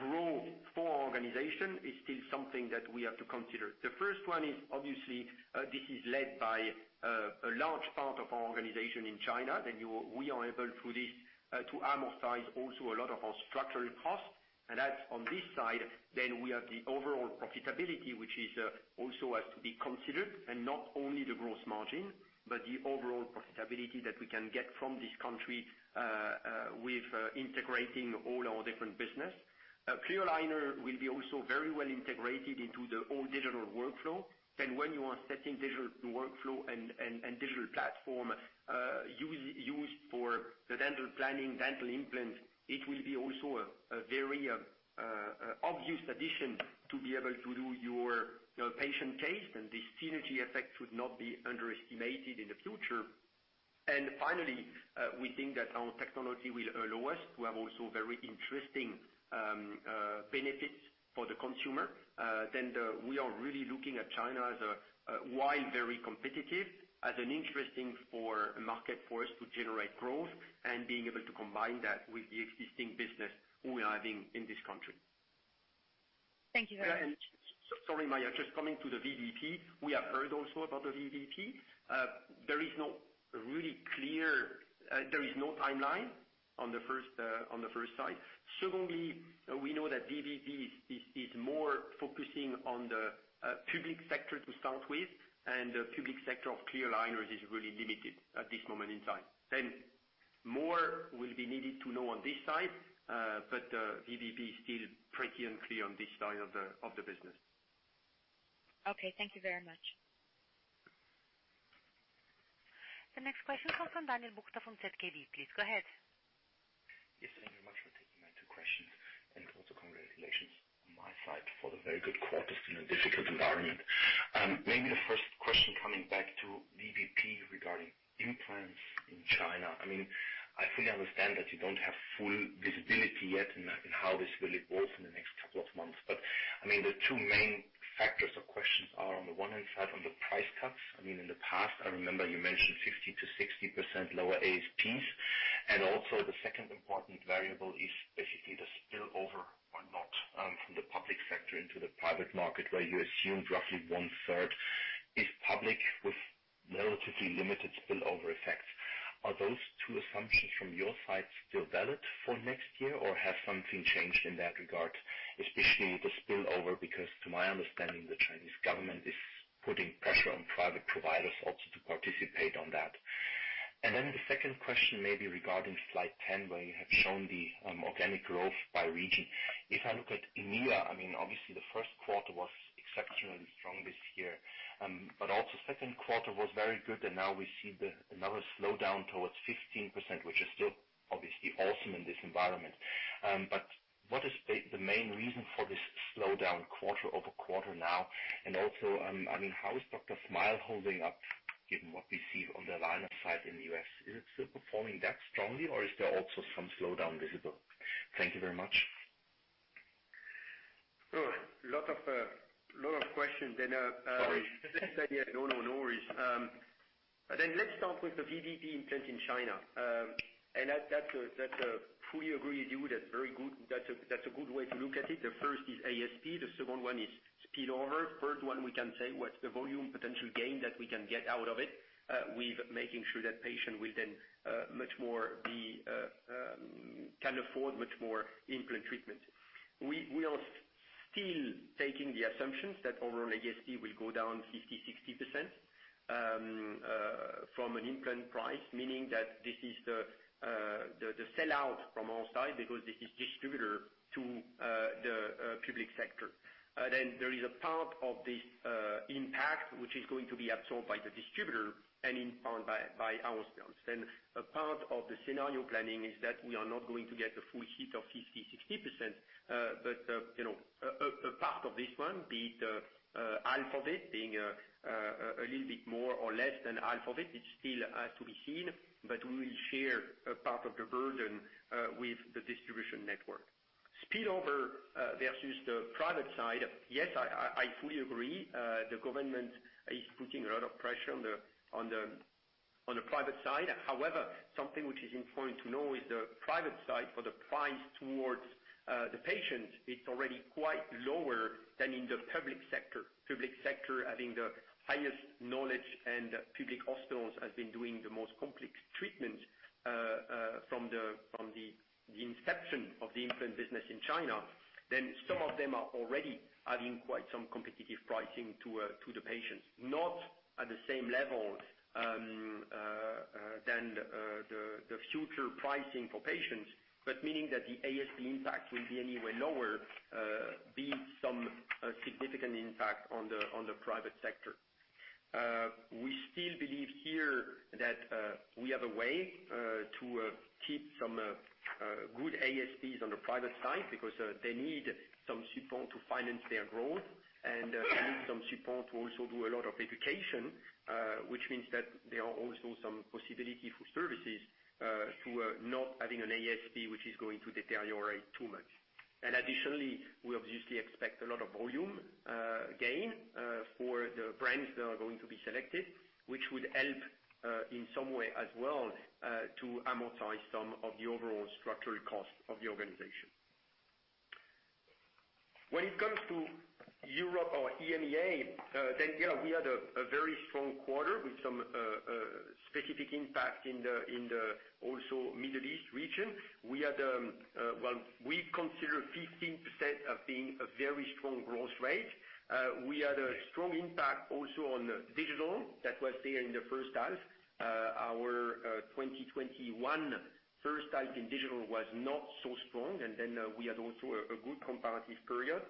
grow for organization is still something that we have to consider. The first one is obviously, this is led by a large part of our organization in China, we are able through this to amortize also a lot of our structural costs. That's on this side, we have the overall profitability, which is also has to be considered, and not only the gross margin but the overall profitability that we can get from this country, with integrating all our different business. Clear aligner will be also very well integrated into the all digital workflow. When you are setting digital workflow and digital platform used for the dental planning, dental implants, it will be also a very obvious addition to be able to do your patient case. The synergy effect should not be underestimated in the future. Finally, we think that our technology will allow us to have also very interesting benefits for the consumer. We are really looking at China as a wide, very competitive, as an interesting market for us to generate growth and being able to combine that with the existing business we are having in this country. Thank you very much. Sorry, Maja, just coming to the VBP. We have heard also about the VBP. There is no really clear, there is no timeline on the first side. Secondly, we know that VBP is more focusing on the public sector to start with, and the public sector of clear aligners is really limited at this moment in time. More will be needed to know on this side, but VBP is still pretty unclear on this side of the business. Okay, thank you very much. The next question comes from Daniel Jelovcan from Zürcher Kantonalbank. Please go ahead. Yes, thank you very much for taking my two questions and also congratulations on my side for the very good quarters in a difficult environment. Maybe the first question coming back to VBP regarding implants in China. I mean, I fully understand that you don't have full visibility yet in how this will evolve in the next couple of months. I mean, the two main factors or questions are on the one hand side on the price cuts, I mean, in the past, I remember you mentioned 50% to 60% lower ASPs. The second important variable is basically the spillover or not, from the public sector into the private market, where you assumed roughly 1/3 is public with relatively limited spillover effects. Are those two assumptions from your side still valid for next year, or has something changed in that regard, especially the spillover? Because to my understanding, the Chinese government is putting pressure on private providers also to participate on that. The second question may be regarding Slide 10, where you have shown the organic growth by region. If I look at EMEA, I mean, obviously, the first quarter was exceptionally strong this year. Also second quarter was very good. Now we see another slowdown towards 15%, which is still obviously awesome in this environment. What is the main reason for this slowdown quarter-over-quarter now? Also, I mean, how is Dr. Smile holding up given what we see on the aligner side in the U.S.? Is it still performing that strongly, or is there also some slowdown visible? Thank you very much. Oh, lot of questions then. No, no worries. Let's start with the VBP implant in China. I fully agree with you. That's very good. That's a good way to look at it. The first is ASP, the second one is spillover. Third one, we can say, what's the volume potential gain that we can get out of it with making sure that patient will then much more can afford much more implant treatment. We are still taking the assumptions that overall ASP will go down 50% to 60% from an implant price, meaning that this is the sell out from our side because this is distributor to the public sector. There is a part of this impact, which is going to be absorbed by the distributor and in turn by our sales. A part of the scenario planning is that we are not going to get the full hit of 50% to 60%. You know, a part of this one, be it half of it, being a little bit more or less than half of it still has to be seen, but we will share a part of the burden with the distribution network. Spillover versus the private side, yes, I fully agree. The government is putting a lot of pressure on the private side. However, something which is important to know is the private side for the price towards the patient, it's already quite lower than in the public sector. Public sector having the highest knowledge, and public hospitals has been doing the most complex treatment from the inception of the implant business in China. Some of them are already adding quite some competitive pricing to the patients. Not at the same level than the future pricing for patients, but meaning that the ASP impact will be anyway lower, but it's some significant impact on the private sector. We still believe here that we have a way to keep some good ASPs on the private side because they need some support to finance their growth and need some support to also do a lot of education, which means that there are also some possibility for services through not having an ASP which is going to deteriorate too much. Additionally, we obviously expect a lot of volume gain for the brands that are going to be selected, which would help in some way as well to amortize some of the overall structural cost of the organization. When it comes to Europe or EMEA, then yeah, we had a very strong quarter with some specific impact in the also Middle East region. We had, well, we consider 15% as being a very strong growth rate. We had a strong impact also on digital. That was there in the first half. Our 2021 first half in digital was not so strong, and then we had also a good comparative period.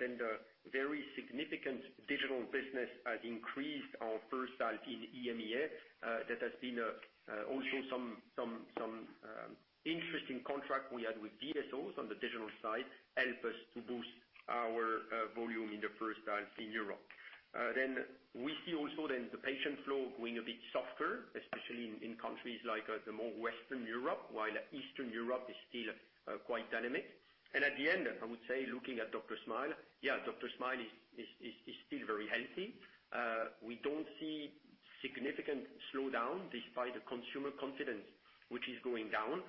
Then the very significant digital business has increased our first half in EMEA. That has been also some interesting contract we had with DSOs on the digital side help us to boost our volume in the first half in Europe. Then we see also the patient flow going a bit softer, especially in countries like the more Western Europe, while Eastern Europe is still quite dynamic. At the end, I would say, looking at Dr. Smile, yeah, Dr. Smile is still very healthy. We don't see significant slowdown despite the consumer confidence which is going down,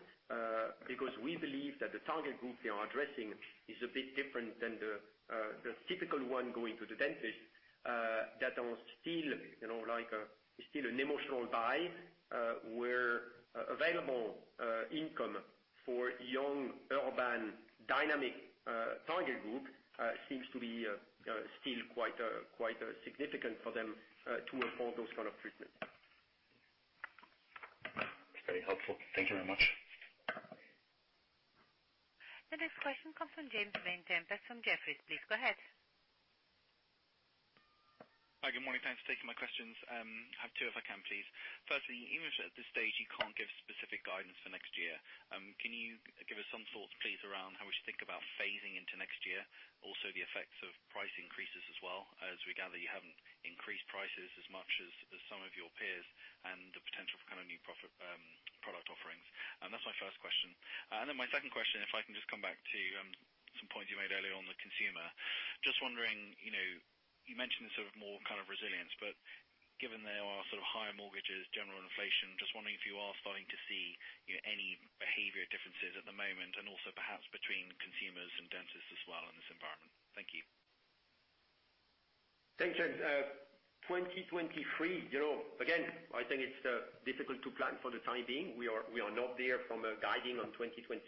because we believe that the target group we are addressing is a bit different than the typical one going to the dentist, that are still, you know, like, still an emotional buy, where available income for young, urban, dynamic target group seems to be still quite significant for them to afford those kind of treatment. That's very helpful. Thank you very much. The next question comes from James Vane-Tempest from Jefferies. Please go ahead. Hi, good morning. Thanks for taking my questions. I have two if I can, please. Firstly, even if at this stage you can't give specific guidance for next year, can you give us some thoughts, please, around how we should think about phasing into next year, also the effects of price increases as well, as we gather you haven't increased prices as much as some of your peers and the potential for kind of new product offerings? That's my first question. My second question, if I can just come back to, some points you made earlier on the consumer. Just wondering, you know, you mentioned the sort of more kind of resilience, but given there are sort of higher mortgages, general inflation, just wondering if you are starting to see, you know, any behavior differences at the moment and also perhaps between consumers and dentists as well in this environment. Thank you. Thanks, James. 2023, you know, again, I think it's difficult to plan for the time being. We are not there from a guidance on 2023.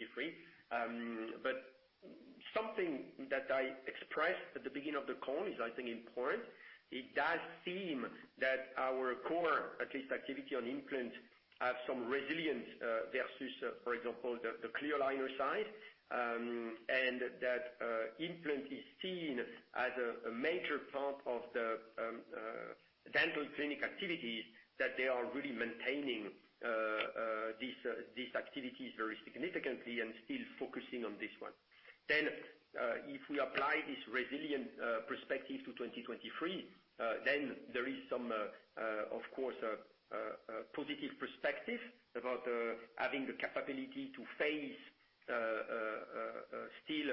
Something that I expressed at the beginning of the call is, I think, important. It does seem that our core, at least, activity on implants have some resilience versus, for example, the clear aligner side. That implant is seen as a major part of the dental clinic activities that they are really maintaining these activities very significantly and still focusing on this one. If we apply this resilient perspective to 2023, there is some of course a positive perspective about having the capability to face still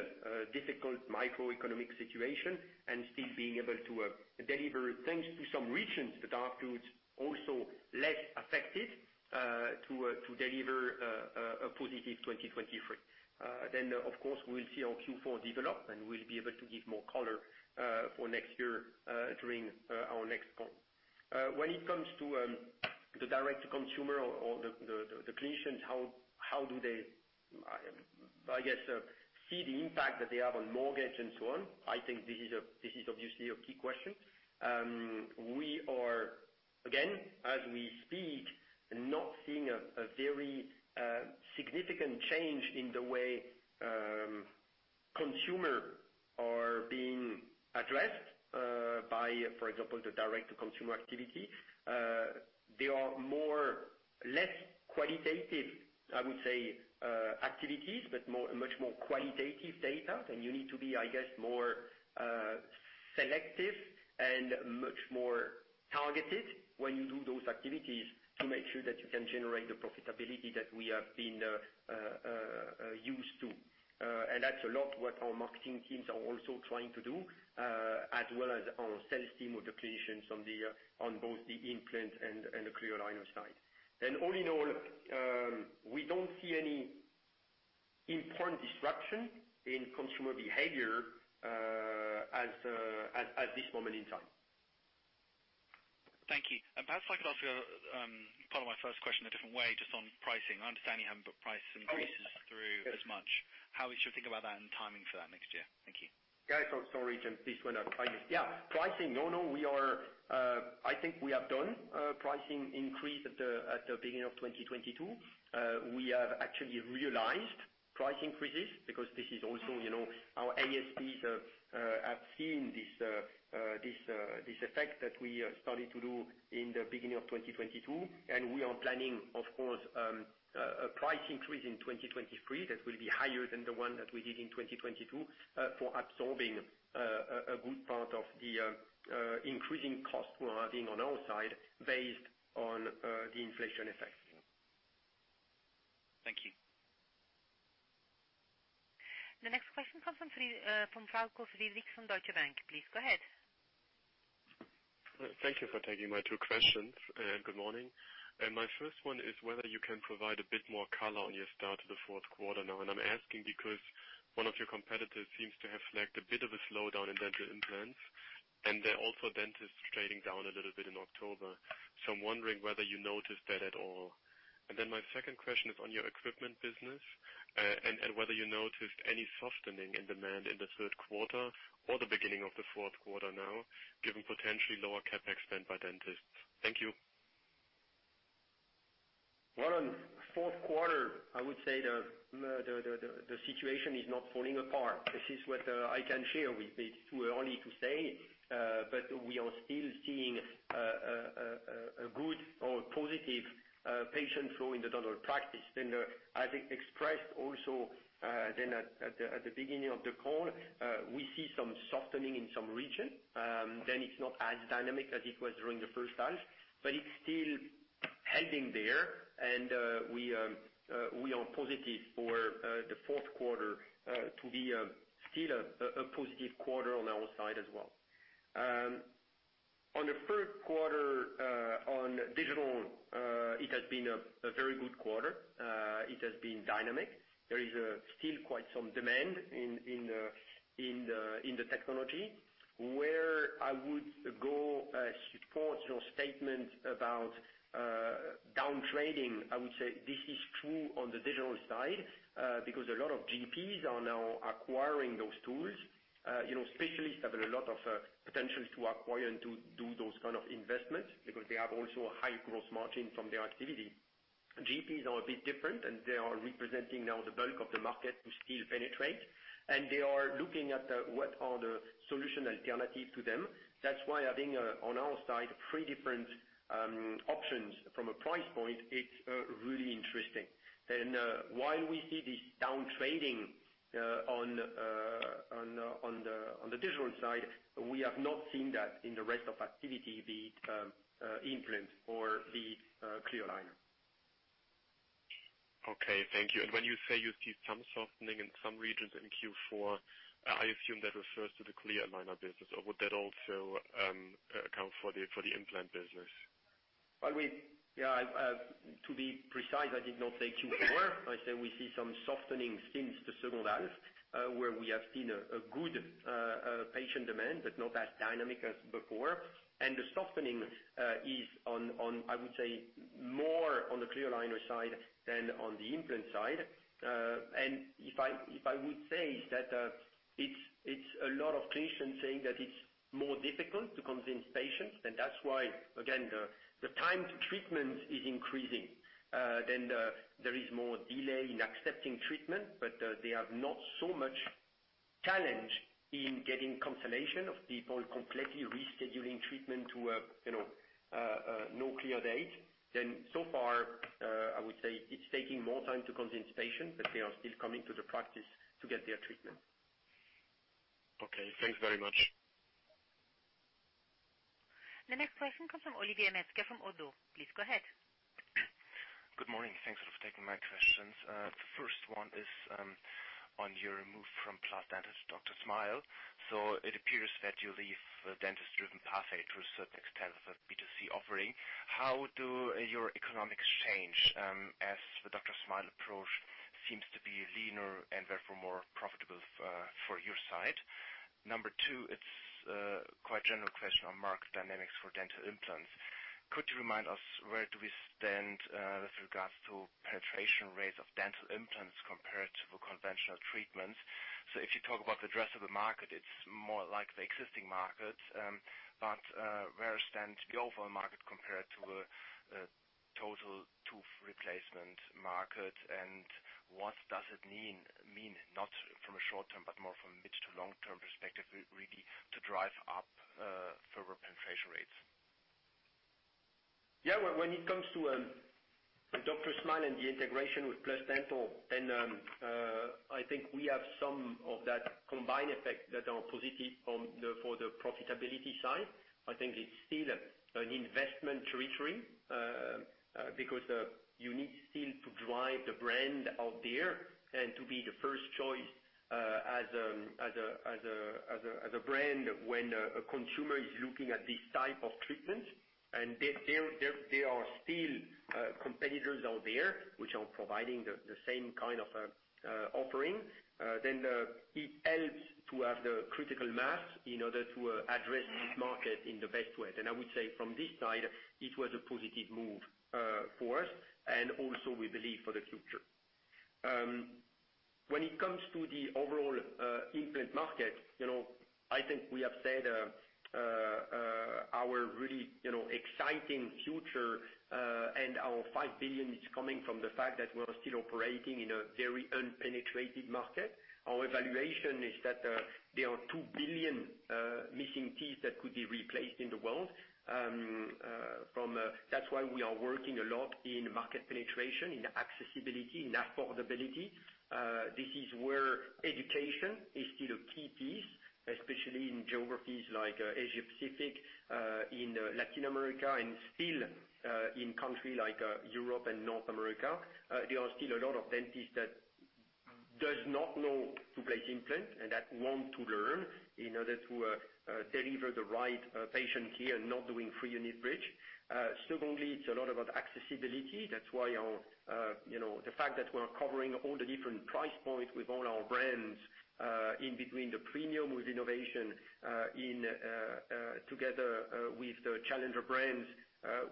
difficult macroeconomic situation and still being able to deliver thanks to some regions that are also less affected to deliver a positive 2023. Of course, we'll see our Q4 develop, and we'll be able to give more color for next year during our next call. When it comes to the direct consumer or the clinicians, how do they see the impact that they have on margins and so on, I think this is obviously a key question. We are, again, as we speak, not seeing a very significant change in the way consumers are being addressed by, for example, the direct-to-consumer activity. They are more or less qualitative, I would say, activities, but much more qualitative data. You need to be, I guess, more selective and much more targeted when you do those activities to make sure that you can generate the profitability that we have been used to. That's a lot of what our marketing teams are also trying to do as well as our sales team or the clinicians on both the implant and the clear aligner side. All in all, we don't see any important disruption in consumer behavior at this moment in time. Thank you. Perhaps if I could ask you, part of my first question a different way just on pricing. I understand you haven't put price increases through as much. How we should think about that and timing for that next year? Thank you. Yeah. Sorry, Jim, prices went up. Yeah. Pricing. No, no, we are, I think we have done pricing increase at the beginning of 2022. We have actually realized price increases because this is also, you know, our ASPs have seen this effect that we are starting to do in the beginning of 2022, and we are planning, of course, a price increase in 2023 that will be higher than the one that we did in 2022, for absorbing a good part of the increasing cost we're having on our side based on the inflation effect. Thank you. The next question comes from Falko Friedrichs from Deutsche Bank. Please go ahead. Thank you for taking my two questions. Good morning. My first one is whether you can provide a bit more color on your start to the fourth quarter now. I'm asking because one of your competitors seems to have flagged a bit of a slowdown in dental implants, and they're also seeing dentists trading down a little bit in October. I'm wondering whether you noticed that at all. My second question is on your equipment business and whether you noticed any softening in demand in the third quarter or the beginning of the fourth quarter now, given potentially lower CapEx spend by dentists. Thank you. Well, on fourth quarter, I would say the situation is not falling apart. This is what I can share with it. It's too early to say, but we are still seeing a good or positive patient flow in the dental practice. As expressed also, then at the beginning of the call, we see some softening in some region, then it's not as dynamic as it was during the first half, but it's still holding there. We are positive for the fourth quarter to be still a positive quarter on our side as well. On the third quarter, on digital, it has been a very good quarter. It has been dynamic. There is still quite some demand in the technology. I would go support your statement about down trading. I would say this is true on the digital side because a lot of GPs are now acquiring those tools. You know, specialists have a lot of potential to acquire and to do those kind of investments because they have also a high gross margin from their activity. GPs are a bit different, and they are representing now the bulk of the market to still penetrate, and they are looking at what are the solution alternative to them. That's why having on our side three different options from a price point, it's really interesting. While we see this down trading on the digital side, we have not seen that in the rest of activity, the implant or the clear aligner. Okay. Thank you. When you say you see some softening in some regions in Q4, I assume that refers to the clear aligner business, or would that also account for the implant business? To be precise, I did not say Q4. I said we see some softening since the second half, where we have seen a good patient demand, but not as dynamic as before. The softening is on, I would say, more on the clear aligner side than on the implant side. If I would say that, it's a lot of clinicians saying that it's more difficult to convince patients, and that's why, again, the time to treatment is increasing. Then there is more delay in accepting treatment, but they have not so much challenge in getting consultation of people completely rescheduling treatment to a, you know, no clear date. So far, I would say it's taking more time to convince patients, but they are still coming to the practice to get their treatment. Okay, thanks very much. The next question comes from Oliver Metzger from ODDO BHF. Please go ahead. Good morning. Thanks for taking my questions. The first one is on your move from PlusDental to Dr. Smile. So it appears that you leave a dentist-driven pathway through a certain extent of a B2C offering. How do your economics change as the Dr. Smile approach seems to be leaner and therefore more profitable for your side? Number two, it's a quite general question on market dynamics for dental implants. Could you remind us where do we stand with regards to penetration rates of dental implants compared to the conventional treatments? So if you talk about the addressable market, it's more like the existing market. Where does stand the overall market compared to a total tooth replacement market? What does it mean, not from a short term, but more from a mid to long term perspective, really to drive up further penetration rates? Yeah, when it comes to Dr. Smile and the integration with PlusDental, then I think we have some of that combined effect that are positive for the profitability side. I think it's still an investment territory because you need still to drive the brand out there and to be the first choice as a brand when a consumer is looking at this type of treatment. There are still competitors out there which are providing the same kind of offering. Then it helps to have the critical mass in order to address this market in the best way. I would say from this side, it was a positive move for us and also we believe for the future. When it comes to the overall implant market, you know, I think we have said our really exciting future, and our 5 billion is coming from the fact that we are still operating in a very underpenetrated market. Our evaluation is that there are two billion missing teeth that could be replaced in the world. That's why we are working a lot in market penetration, in accessibility, in affordability. This is where education is still a key piece, especially in geographies like Asia-Pacific, in Latin America and still in countries like Europe and North America. There are still a lot of dentists that does not know to place implant and that want to learn in order to deliver the right patient care, not doing three-unit bridge. Secondly, it's a lot about accessibility. That's why our, you know, the fact that we're covering all the different price points with all our brands, in between the premium with innovation, in, together, with the challenger brands,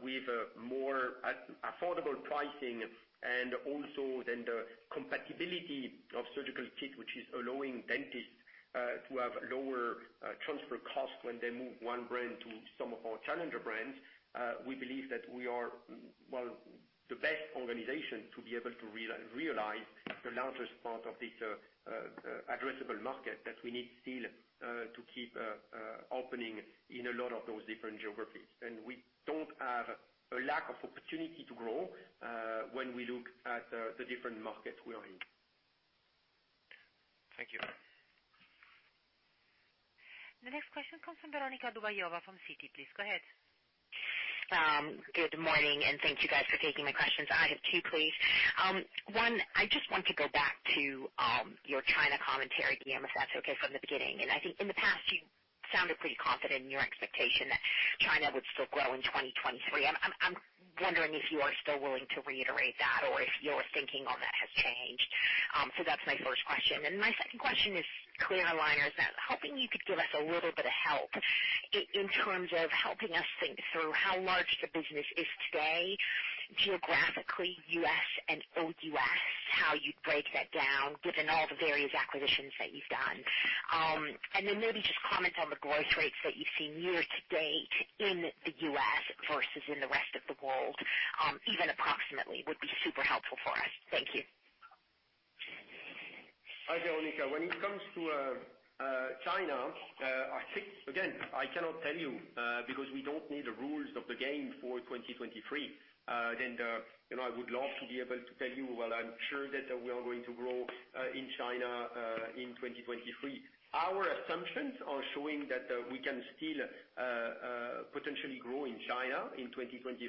with a more affordable pricing and also then the compatibility of surgical kit, which is allowing dentists, to have lower, transfer costs when they move one brand to some of our challenger brands. We believe that we are, well, the best organization to be able to realize the largest part of this, addressable market that we need still, to keep, opening in a lot of those different geographies. We don't have a lack of opportunity to grow, when we look at, the different markets we are in. Thank you. The next question comes from Veronika Dubajova from Citi. Please go ahead. Good morning, and thank you guys for taking my questions. I have two, please. One, I just want to go back to your China commentary, if that's okay from the beginning. I think in the past you sounded pretty confident in your expectation that China would still grow in 2023. I'm wondering if you are still willing to reiterate that or if your thinking on that has changed. So that's my first question. And my second question is clear aligners. Now, hoping you could give us a little bit of help in terms of helping us think through how large the business is today, geographically, U.S. and OUS, how you'd break that down given all the various acquisitions that you've done. Maybe just comment on the growth rates that you've seen year to date in the U.S. versus in the rest of the world, even approximately, would be super helpful for us. Thank you. Hi, Veronika. When it comes to China, I think again, I cannot tell you because we don't know the rules of the game for 2023. You know, I would love to be able to tell you, well, I'm sure that we are going to grow in China in 2023. Our assumptions are showing that we can still potentially grow in China in 2023.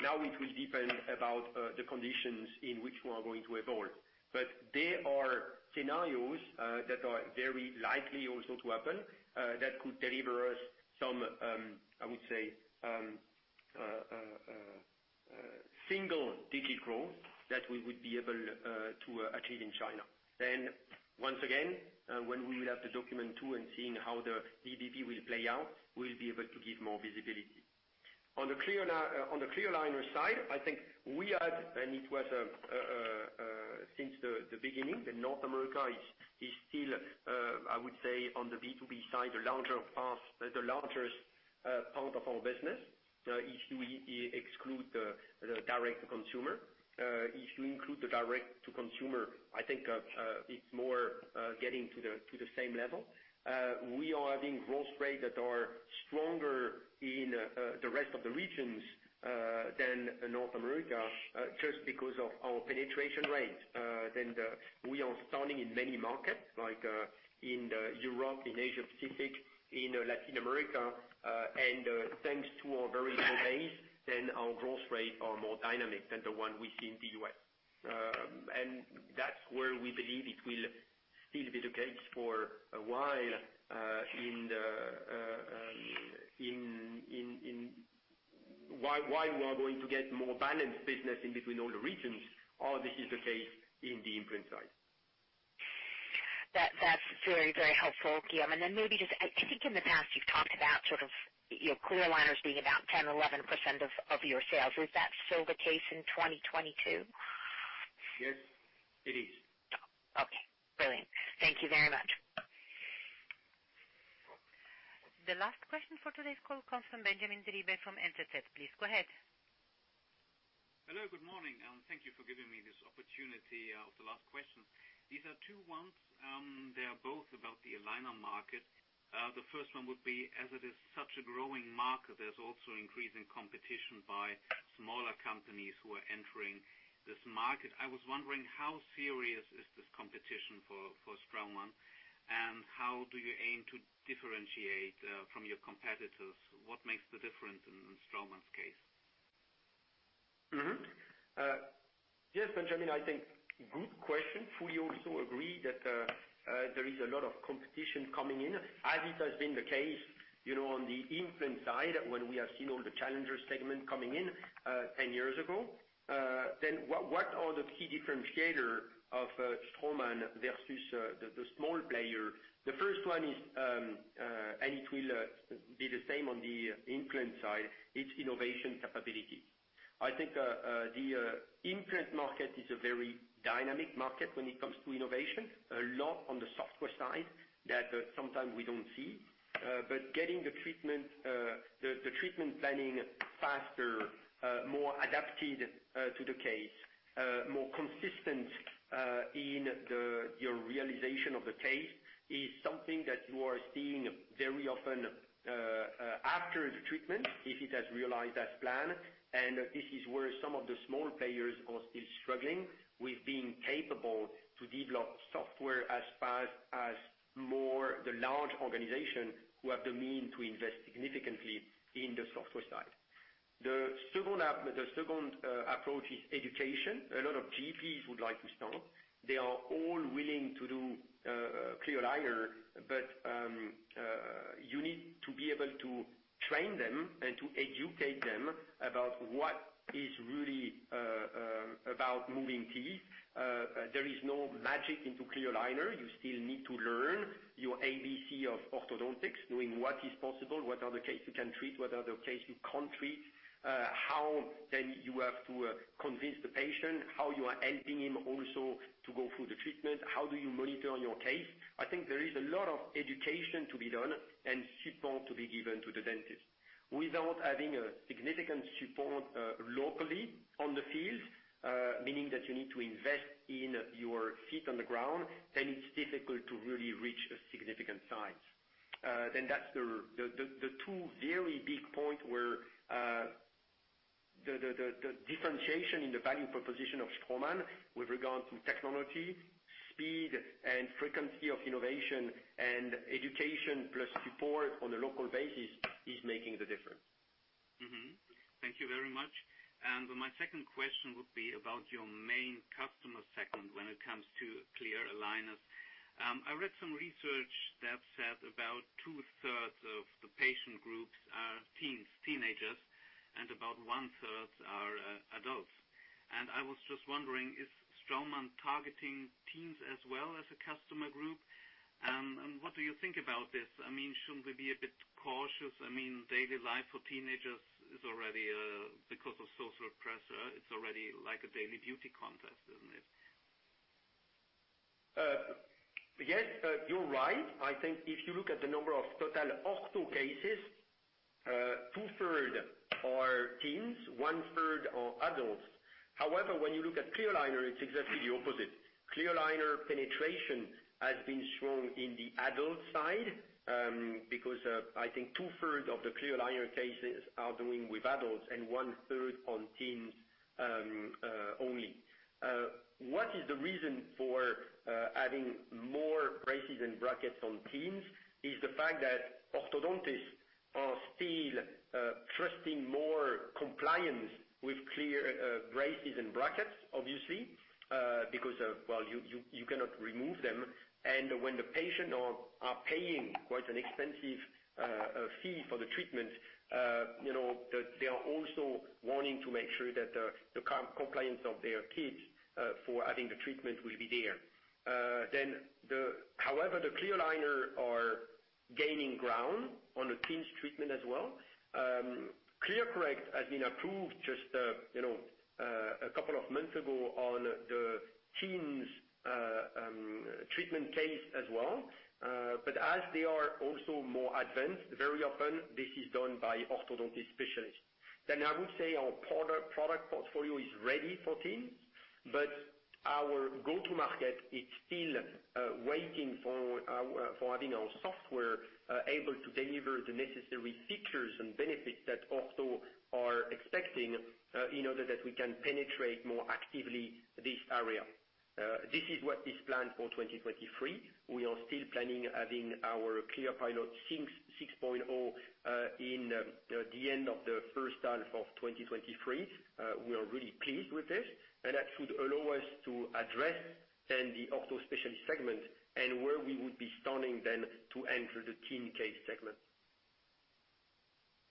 Now it will depend about the conditions in which we are going to evolve. There are scenarios that are very likely also to happen that could deliver us some, I would say, single-digit growth that we would be able to achieve in China. Once again, when we will have the Document two and seeing how the VBP will play out, we'll be able to give more visibility. On the clear aligner side, I think we had, and it was since the beginning, that North America is still, I would say, on the B2B side, the larger part, the largest part of our business, if you exclude the direct to consumer. If you include the direct to consumer, I think it's more getting to the same level. We are having growth rate that are stronger in the rest of the regions than North America, just because of our penetration rate. We are starting in many markets, like in Europe, in Asia-Pacific, in Latin America. Thanks to our very good base, then our growth rates are more dynamic than the one we see in the U.S. That's where we believe it will still be the case for a while. Why we are going to get more balanced business in between all the regions, or this is the case in the implant side. That, that's very, very helpful, Guillaume. Maybe just I think in the past you've talked about sort of your clear aligners being about 10%, 11% of your sales. Is that still the case in 2022? Yes, it is. Okay, brilliant. Thank you very much. The last question for today's call comes from Benjamin Driebe from Intertek. Please go ahead. Hello, good morning, and thank you for giving me this opportunity of the last question. These are two ones, they're both about the aligner market. The first one would be, as it is such a growing market, there's also increasing competition by smaller companies who are entering this market. I was wondering, how serious is this competition for Straumann, and how do you aim to differentiate from your competitors? What makes the difference in Straumann's case? Yes, Benjamin, I think good question. I fully agree that there is a lot of competition coming in as it has been the case, you know, on the implant side when we have seen all the challenger segment coming in ten years ago. Then what are the key differentiator of Straumann versus the small player? The first one is, and it will be the same on the implant side. It's innovation capability. I think the implant market is a very dynamic market when it comes to innovation. A lot on the software side that sometimes we don't see, but getting the treatment, the treatment planning faster, more adapted to the case, more consistent in your realization of the case is something that you are seeing very often after the treatment, if it has realized as planned. This is where some of the small players are still struggling with being capable to develop software as fast as more the large organization who have the means to invest significantly in the software side. The second approach is education. A lot of GPs would like to start. They are all willing to do clear aligner, but you need to be able to train them and to educate them about what is really about moving teeth. There is no magic into clear aligner. You still need to learn your ABC of orthodontics, knowing what is possible, what are the case you can treat, what are the case you can't treat, how then you have to convince the patient, how you are helping him also to go through the treatment. How do you monitor on your case? I think there is a lot of education to be done and support to be given to the dentist. Without having a significant support, locally on the field, meaning that you need to invest in your feet on the ground, then it's difficult to really reach a significant size. That's the two very big point where the differentiation in the value proposition of Straumann with regard to technology, speed and frequency of innovation and education plus support on the local basis is making the difference. Mm-hmm. Thank you very much. My second question would be about your main customer segment when it comes to clear aligners. I read some research that said about two-thirds of the patient groups are teens, teenagers, and about one-third are adults. I was just wondering, is Straumann targeting teens as well as a customer group? What do you think about this? I mean, shouldn't we be a bit cautious? I mean, daily life for teenagers is already because of social pressure, it's already like a daily beauty contest, isn't it? Yes, you're right. I think if you look at the number of total ortho cases, two-thirds are teens, one-third are adults. However, when you look at clear aligner, it's exactly the opposite. Clear aligner penetration has been strong in the adult side, because I think 2/3 of the clear aligner cases are doing with adults and 1/3 on teens only. What is the reason for having more braces and brackets on teens is the fact that orthodontists are still trusting more compliance with clear braces and brackets, obviously, because well, you cannot remove them. When the patients are paying quite an expensive fee for the treatment, you know, they are also wanting to make sure that the compliance of their kids for having the treatment will be there. However, the clear aligners are gaining ground on the teens treatment as well. ClearCorrect has been approved just a couple of months ago on the teens treatment case as well. But as they are also more advanced, very often this is done by orthodontist specialists. I would say our product portfolio is ready for teens, but our go-to-market is still waiting for our software able to deliver the necessary features and benefits that ortho are expecting in order that we can penetrate more actively this area. This is what is planned for 2023. We are still planning having our ClearPilot 6.0 in the end of the first half of 2023. We are really pleased with this, and that should allow us to address then the ortho specialist segment and where we would be starting then to enter the teen case segment.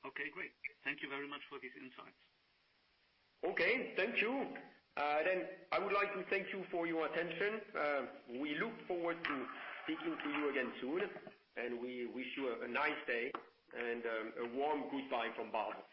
Okay, great. Thank you very much for this insight. Okay, thank you. I would like to thank you for your attention. We look forward to speaking to you again soon, and we wish you a nice day and a warm goodbye from Basel.